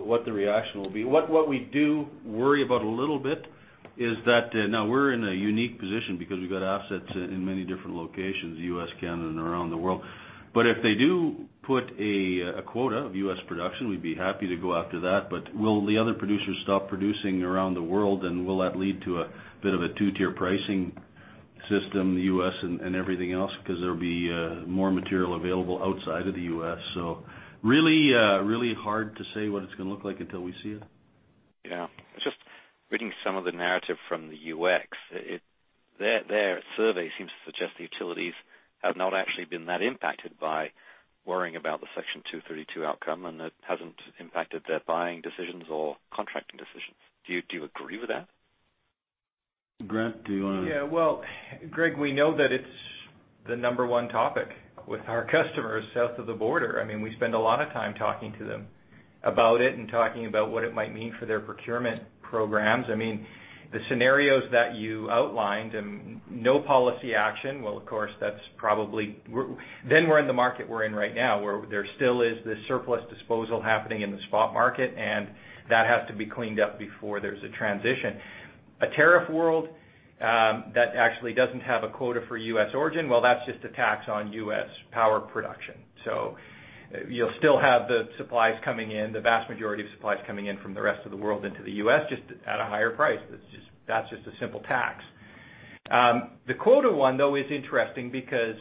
what the reaction will be. What we do worry about a little bit is that now we're in a unique position because we've got assets in many different locations, U.S., Canada, and around the world. If they do put a quota of U.S. production, we'd be happy to go after that. Will the other producers stop producing around the world, and will that lead to a bit of a two-tier pricing system in the U.S. and everything else? Because there'll be more material available outside of the U.S. Really hard to say what it's going to look like until we see it. Yeah. Just reading some of the narrative from the UxC, their survey seems to suggest the utilities have not actually been that impacted by worrying about the Section 232 outcome, and it hasn't impacted their buying decisions or contracting decisions. Do you agree with that? Grant, do you want to? Yeah. Well, Greg, we know that it's the number one topic with our customers south of the border. We spend a lot of time talking to them about it and talking about what it might mean for their procurement programs. The scenarios that you outlined and no policy action, well, of course, then we're in the market we're in right now, where there still is this surplus disposal happening in the spot market, and that has to be cleaned up before there's a transition. A tariff world that actually doesn't have a quota for U.S. origin, well, that's just a tax on U.S. power production. You'll still have the supplies coming in, the vast majority of supplies coming in from the rest of the world into the U.S., just at a higher price. That's just a simple tax. The quota one, though, is interesting because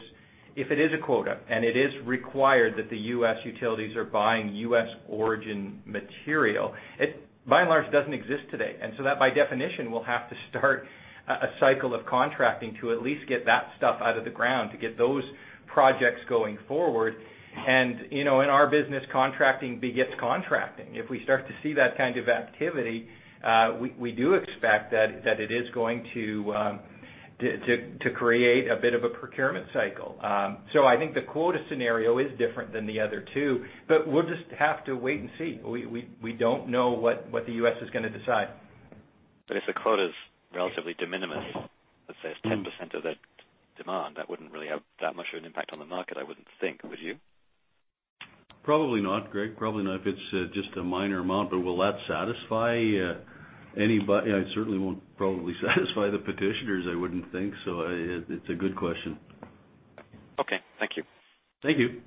if it is a quota and it is required that the U.S. utilities are buying U.S. origin material, it by and large doesn't exist today. That, by definition, will have to start a cycle of contracting to at least get that stuff out of the ground to get those projects going forward. In our business, contracting begets contracting. If we start to see that kind of activity, we do expect that it is going to create a bit of a procurement cycle. I think the quota scenario is different than the other two, but we'll just have to wait and see. We don't know what the U.S. is going to decide. If the quota's relatively de minimis, let's say it's 10% of the demand, that wouldn't really have that much of an impact on the market, I wouldn't think. Would you? Probably not, Greg. Probably not if it's just a minor amount. Will that satisfy anybody? It certainly won't probably satisfy the petitioners, I wouldn't think. It's a good question. Okay. Thank you. Thank you.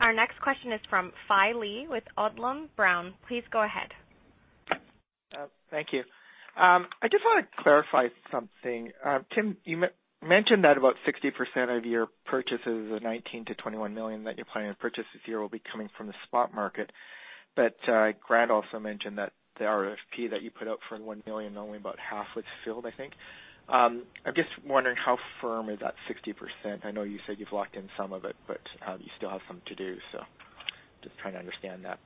Our next question is from Philip Lee with Odlum Brown. Please go ahead. Thank you. I just want to clarify something. Tim, you mentioned that about 60% of your purchases of 19 million-21 million that you're planning to purchase this year will be coming from the spot market. Grant also mentioned that the RFP that you put out for the 1 million, only about half was filled, I think. I'm just wondering how firm is that 60%? I know you said you've locked in some of it, but you still have some to do, so just trying to understand that.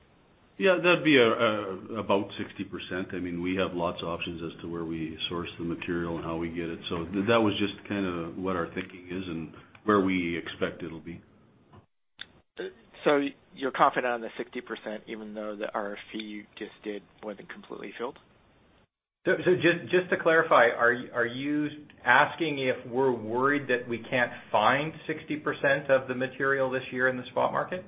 Yeah, that'd be about 60%. We have lots of options as to where we source the material and how we get it. That was just kind of what our thinking is and where we expect it'll be. You're confident on the 60%, even though the RFP you just did wasn't completely filled? Just to clarify, are you asking if we're worried that we can't find 60% of the material this year in the spot market?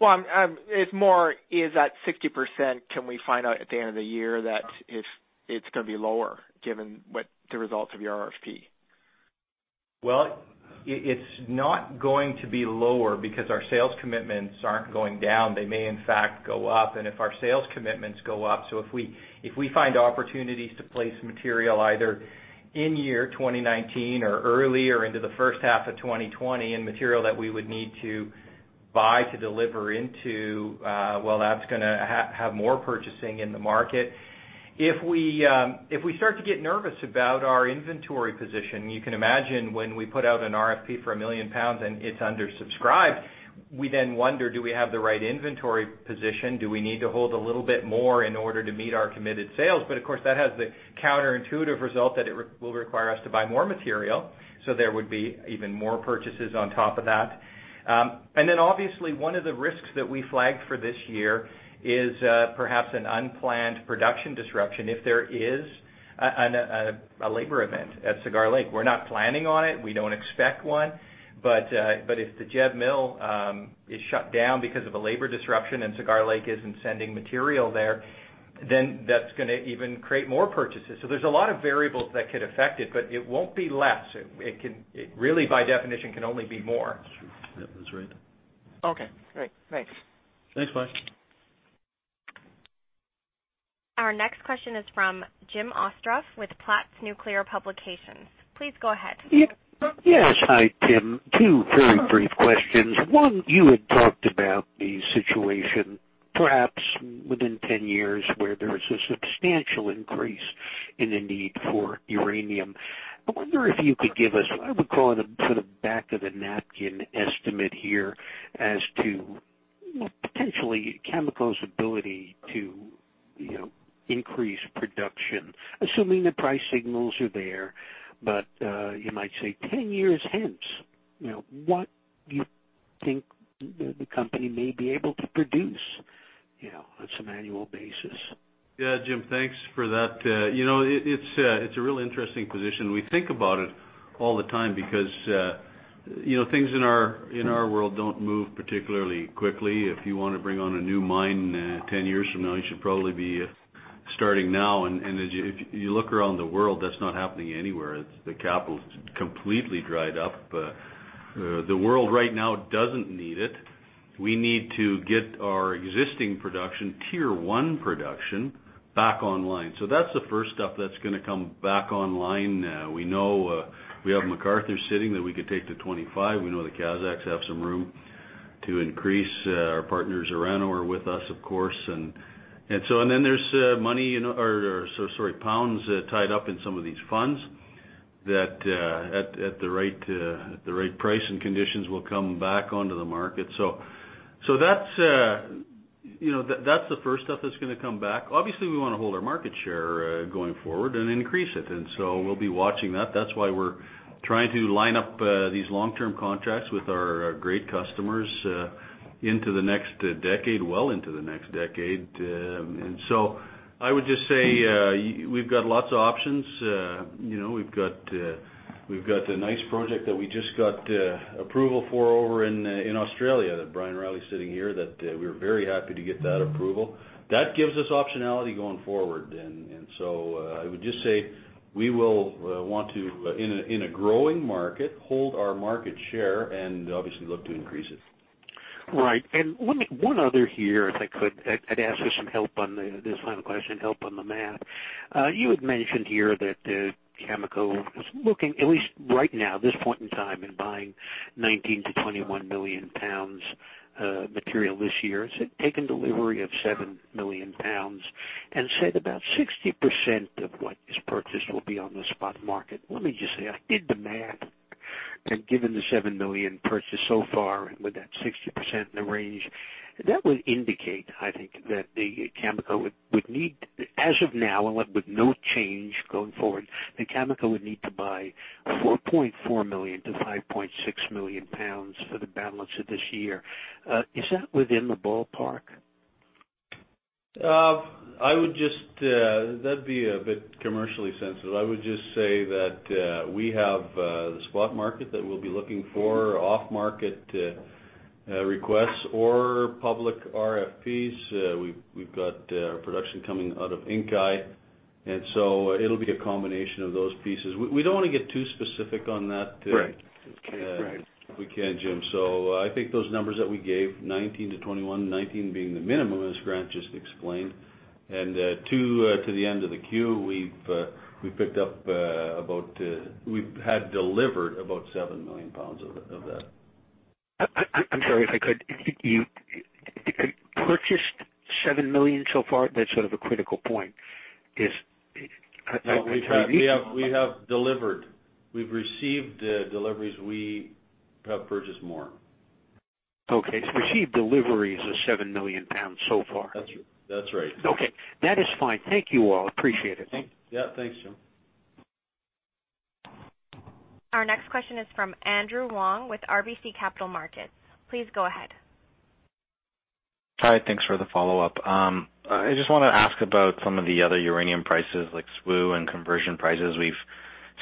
Well, it's more is that 60%, can we find out at the end of the year that it's going to be lower given the results of your RFP? Well, it's not going to be lower because our sales commitments aren't going down. They may, in fact, go up. If our sales commitments go up, so if we find opportunities to place material either in 2019 or early or into the first half of 2020, and material that we would need to buy to deliver into, that's going to have more purchasing in the market. If we start to get nervous about our inventory position, you can imagine when we put out an RFP for 1 million pounds and it's undersubscribed, we then wonder, do we have the right inventory position? Do we need to hold a little bit more in order to meet our committed sales? Of course, that has the counterintuitive result that it will require us to buy more material. There would be even more purchases on top of that. Obviously, one of the risks that we flagged for this year is perhaps an unplanned production disruption if there is a labor event at Cigar Lake. We're not planning on it. We don't expect one. If the JEB mill is shut down because of a labor disruption and Cigar Lake isn't sending material there, that's going to even create more purchases. There's a lot of variables that could affect it, but it won't be less. It really, by definition, can only be more. That's true. Yeah, that's right. Okay, great. Thanks. Thanks, Mike. Our next question is from Jim Ostroff with Platts Nuclear Publications. Please go ahead. Yes. Hi, Tim. Two very brief questions. One, you had talked about the situation, perhaps within 10 years, where there is a substantial increase in the need for uranium. I wonder if you could give us, what I would call, the back-of-the-napkin estimate here as to potentially Cameco's ability to increase production, assuming the price signals are there. You might say 10 years hence, what do you think the company may be able to produce on some annual basis? Yeah, Jim, thanks for that. It's a real interesting position. We think about it all the time because things in our world don't move particularly quickly. If you want to bring on a new mine 10 years from now, you should probably be starting now. If you look around the world, that's not happening anywhere. The capital's completely dried up. The world right now doesn't need it. We need to get our existing production, tier 1 production, back online. That's the first step that's going to come back online. We know we have McArthur sitting that we could take to 25. We know the Kazakhs have some room to increase. Our partners, Orano, are with us, of course. There's pounds tied up in some of these funds that at the right price and conditions will come back onto the market. That's the first step that's going to come back. Obviously, we want to hold our market share going forward and increase it. We'll be watching that. That's why we're trying to line up these long-term contracts with our great customers into the next decade, well into the next decade. I would just say we've got lots of options. We've got a nice project that we just got approval for over in Australia, that Brian Reilly's sitting here, that we were very happy to get that approval. That gives us optionality going forward. I would just say we will want to, in a growing market, hold our market share and obviously look to increase it. Right. One other here, if I could. I'd ask for some help on this final question, help on the math. You had mentioned here that Cameco is looking, at least right now, this point in time, in buying 19 million-21 million pounds material this year, taking delivery of 7 million pounds, and said about 60% of what is purchased will be on the spot market. Let me just say, I did the math, and given the 7 million purchased so far, with that 60% in the range, that would indicate, I think, that as of now and with no change going forward, that Cameco would need to buy 4.4 million-5.6 million pounds for the balance of this year. Is that within the ballpark? That'd be a bit commercially sensitive. I would just say that we have the spot market that we'll be looking for off-market requests or public RFPs. We've got production coming out of Inkai. It'll be a combination of those pieces. We don't want to get too specific on that. Right If we can, Jim. I think those numbers that we gave, 19-21, 19 being the minimum, as Grant just explained, and to the end of the Q, we've had delivered about 7 million pounds of that. I'm sorry, if I could. If you purchased 7 million so far, that's sort of a critical point. Is? We have delivered. We've received deliveries. We have purchased more. Okay. Received deliveries of 7 million pounds so far. That's right. Okay. That is fine. Thank you all. Appreciate it. Yeah. Thanks, Jim. Our next question is from Andrew Wong with RBC Capital Markets. Please go ahead. Hi. Thanks for the follow-up. I just want to ask about some of the other uranium prices like SWU and conversion prices. We've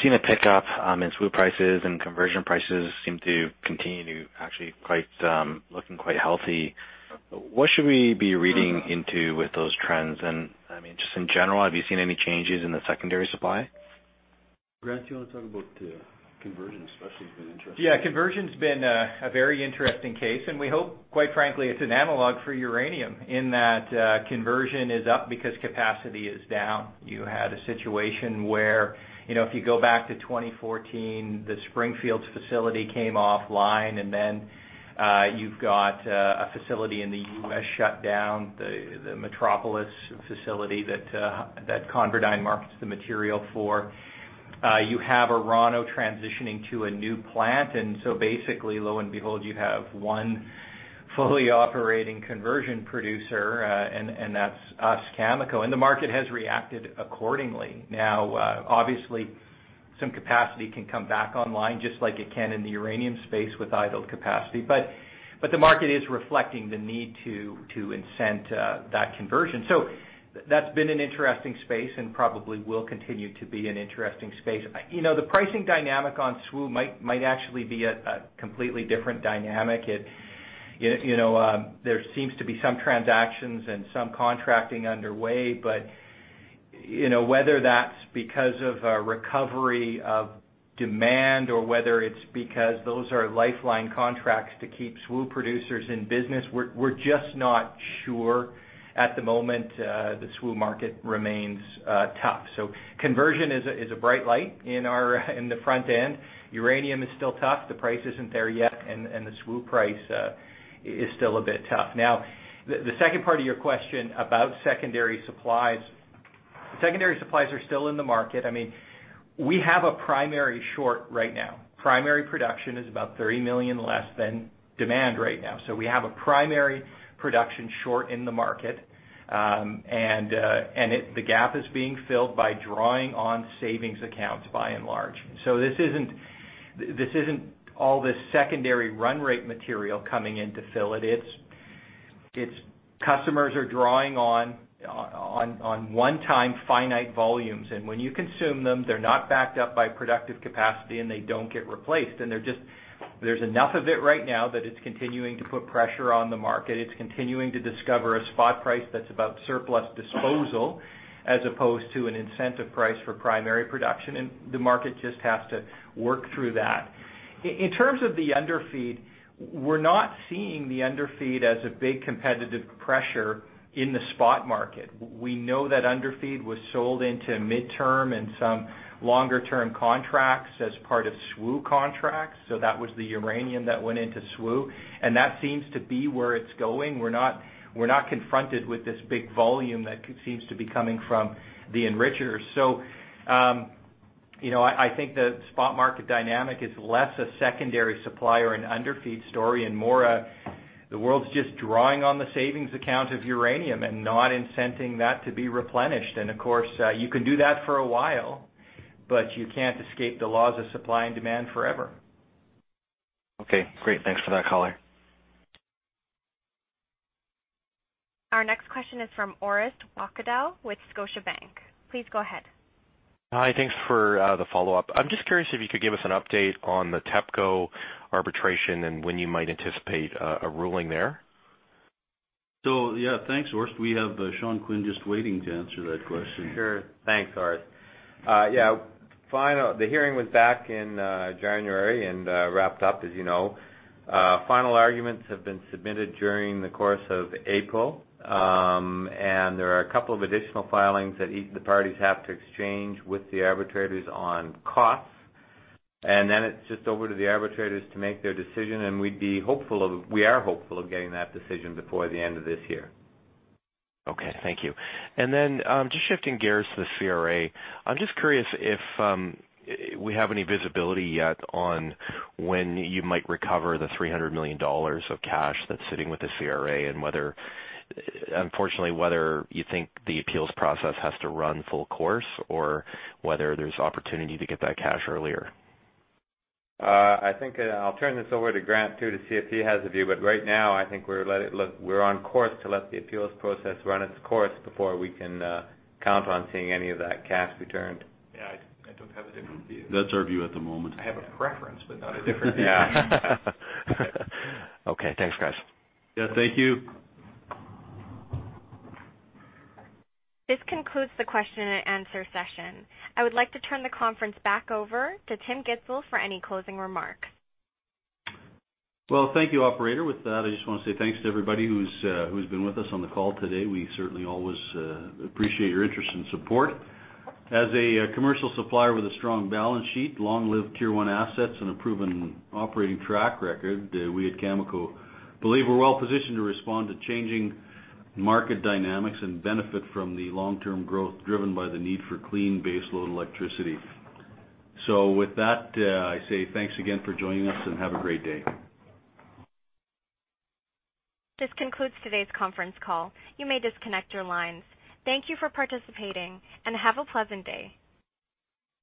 seen a pickup in SWU prices, and conversion prices seem to continue to actually looking quite healthy. What should we be reading into with those trends? Just in general, have you seen any changes in the secondary supply? Grant, do you want to talk about conversion especially? It's been interesting. Yeah, conversion's been a very interesting case. We hope, quite frankly, it's an analog for uranium in that conversion is up because capacity is down. You had a situation where, if you go back to 2014, the Springfield facility came offline. Then you've got a facility in the U.S. shut down, the Metropolis facility that ConverDyn markets the material for. You have Orano transitioning to a new plant. Basically, lo and behold, you have one fully operating conversion producer, and that's us, Cameco, and the market has reacted accordingly. Obviously, some capacity can come back online, just like it can in the uranium space with idled capacity. The market is reflecting the need to incent that conversion. That's been an interesting space and probably will continue to be an interesting space. The pricing dynamic on SWU might actually be a completely different dynamic. There seems to be some transactions and some contracting underway. Whether that's because of a recovery of demand or whether it's because those are lifeline contracts to keep SWU producers in business, we're just not sure at the moment. The SWU market remains tough. Conversion is a bright light in the front end. Uranium is still tough. The price isn't there yet, and the SWU price is still a bit tough. The second part of your question about secondary supplies. Secondary supplies are still in the market. We have a primary short right now. Primary production is about 30 million less than demand right now. We have a primary production short in the market. The gap is being filled by drawing on savings accounts by and large. This isn't all this secondary run rate material coming in to fill it. It's customers are drawing on one-time finite volumes. When you consume them, they're not backed up by productive capacity, and they don't get replaced. There's enough of it right now that it's continuing to put pressure on the market. It's continuing to discover a spot price that's about surplus disposal as opposed to an incentive price for primary production. The market just has to work through that. In terms of the underfeed, we're not seeing the underfeed as a big competitive pressure in the spot market. We know that underfeed was sold into midterm and some longer-term contracts as part of SWU contracts. That was the uranium that went into SWU, and that seems to be where it's going. We're not confronted with this big volume that seems to be coming from the enrichers. I think the spot market dynamic is less a secondary supplier and underfeed story and more a, the world's just drawing on the savings account of uranium and not incenting that to be replenished. Of course, you can do that for a while, but you can't escape the laws of supply and demand forever. Okay, great. Thanks for that color. Our next question is from Orest Walkewych with Scotiabank. Please go ahead. Hi. Thanks for the follow-up. I'm just curious if you could give us an update on the TEPCO arbitration and when you might anticipate a ruling there. Yeah, thanks, Orest. We have Sean Quinn just waiting to answer that question. Sure. Thanks, Orest. Yeah. The hearing was back in January and wrapped up, as you know. Final arguments have been submitted during the course of April. There are a couple of additional filings that the parties have to exchange with the arbitrators on costs. Then it's just over to the arbitrators to make their decision, and we are hopeful of getting that decision before the end of this year. Okay. Thank you. Then, just shifting gears to the CRA. I'm just curious if we have any visibility yet on when you might recover the 300 million dollars of cash that's sitting with the CRA and unfortunately, whether you think the appeals process has to run full course or whether there's opportunity to get that cash earlier. I think I'll turn this over to Grant, too, to see if he has a view. Right now, I think we're on course to let the appeals process run its course before we can count on seeing any of that cash returned. Yeah, I don't have a different view. That's our view at the moment. I have a preference, but not a different view. Okay. Thanks, guys. Yeah. Thank you. This concludes the question and answer session. I would like to turn the conference back over to Tim Gitzel for any closing remarks. Thank you, operator. With that, I just want to say thanks to everybody who's been with us on the call today. We certainly always appreciate your interest and support. As a commercial supplier with a strong balance sheet, long-lived tier 1 assets, and a proven operating track record, we at Cameco believe we're well positioned to respond to changing market dynamics and benefit from the long-term growth driven by the need for clean baseload electricity. With that, I say thanks again for joining us and have a great day. This concludes today's conference call. You may disconnect your lines. Thank you for participating and have a pleasant day.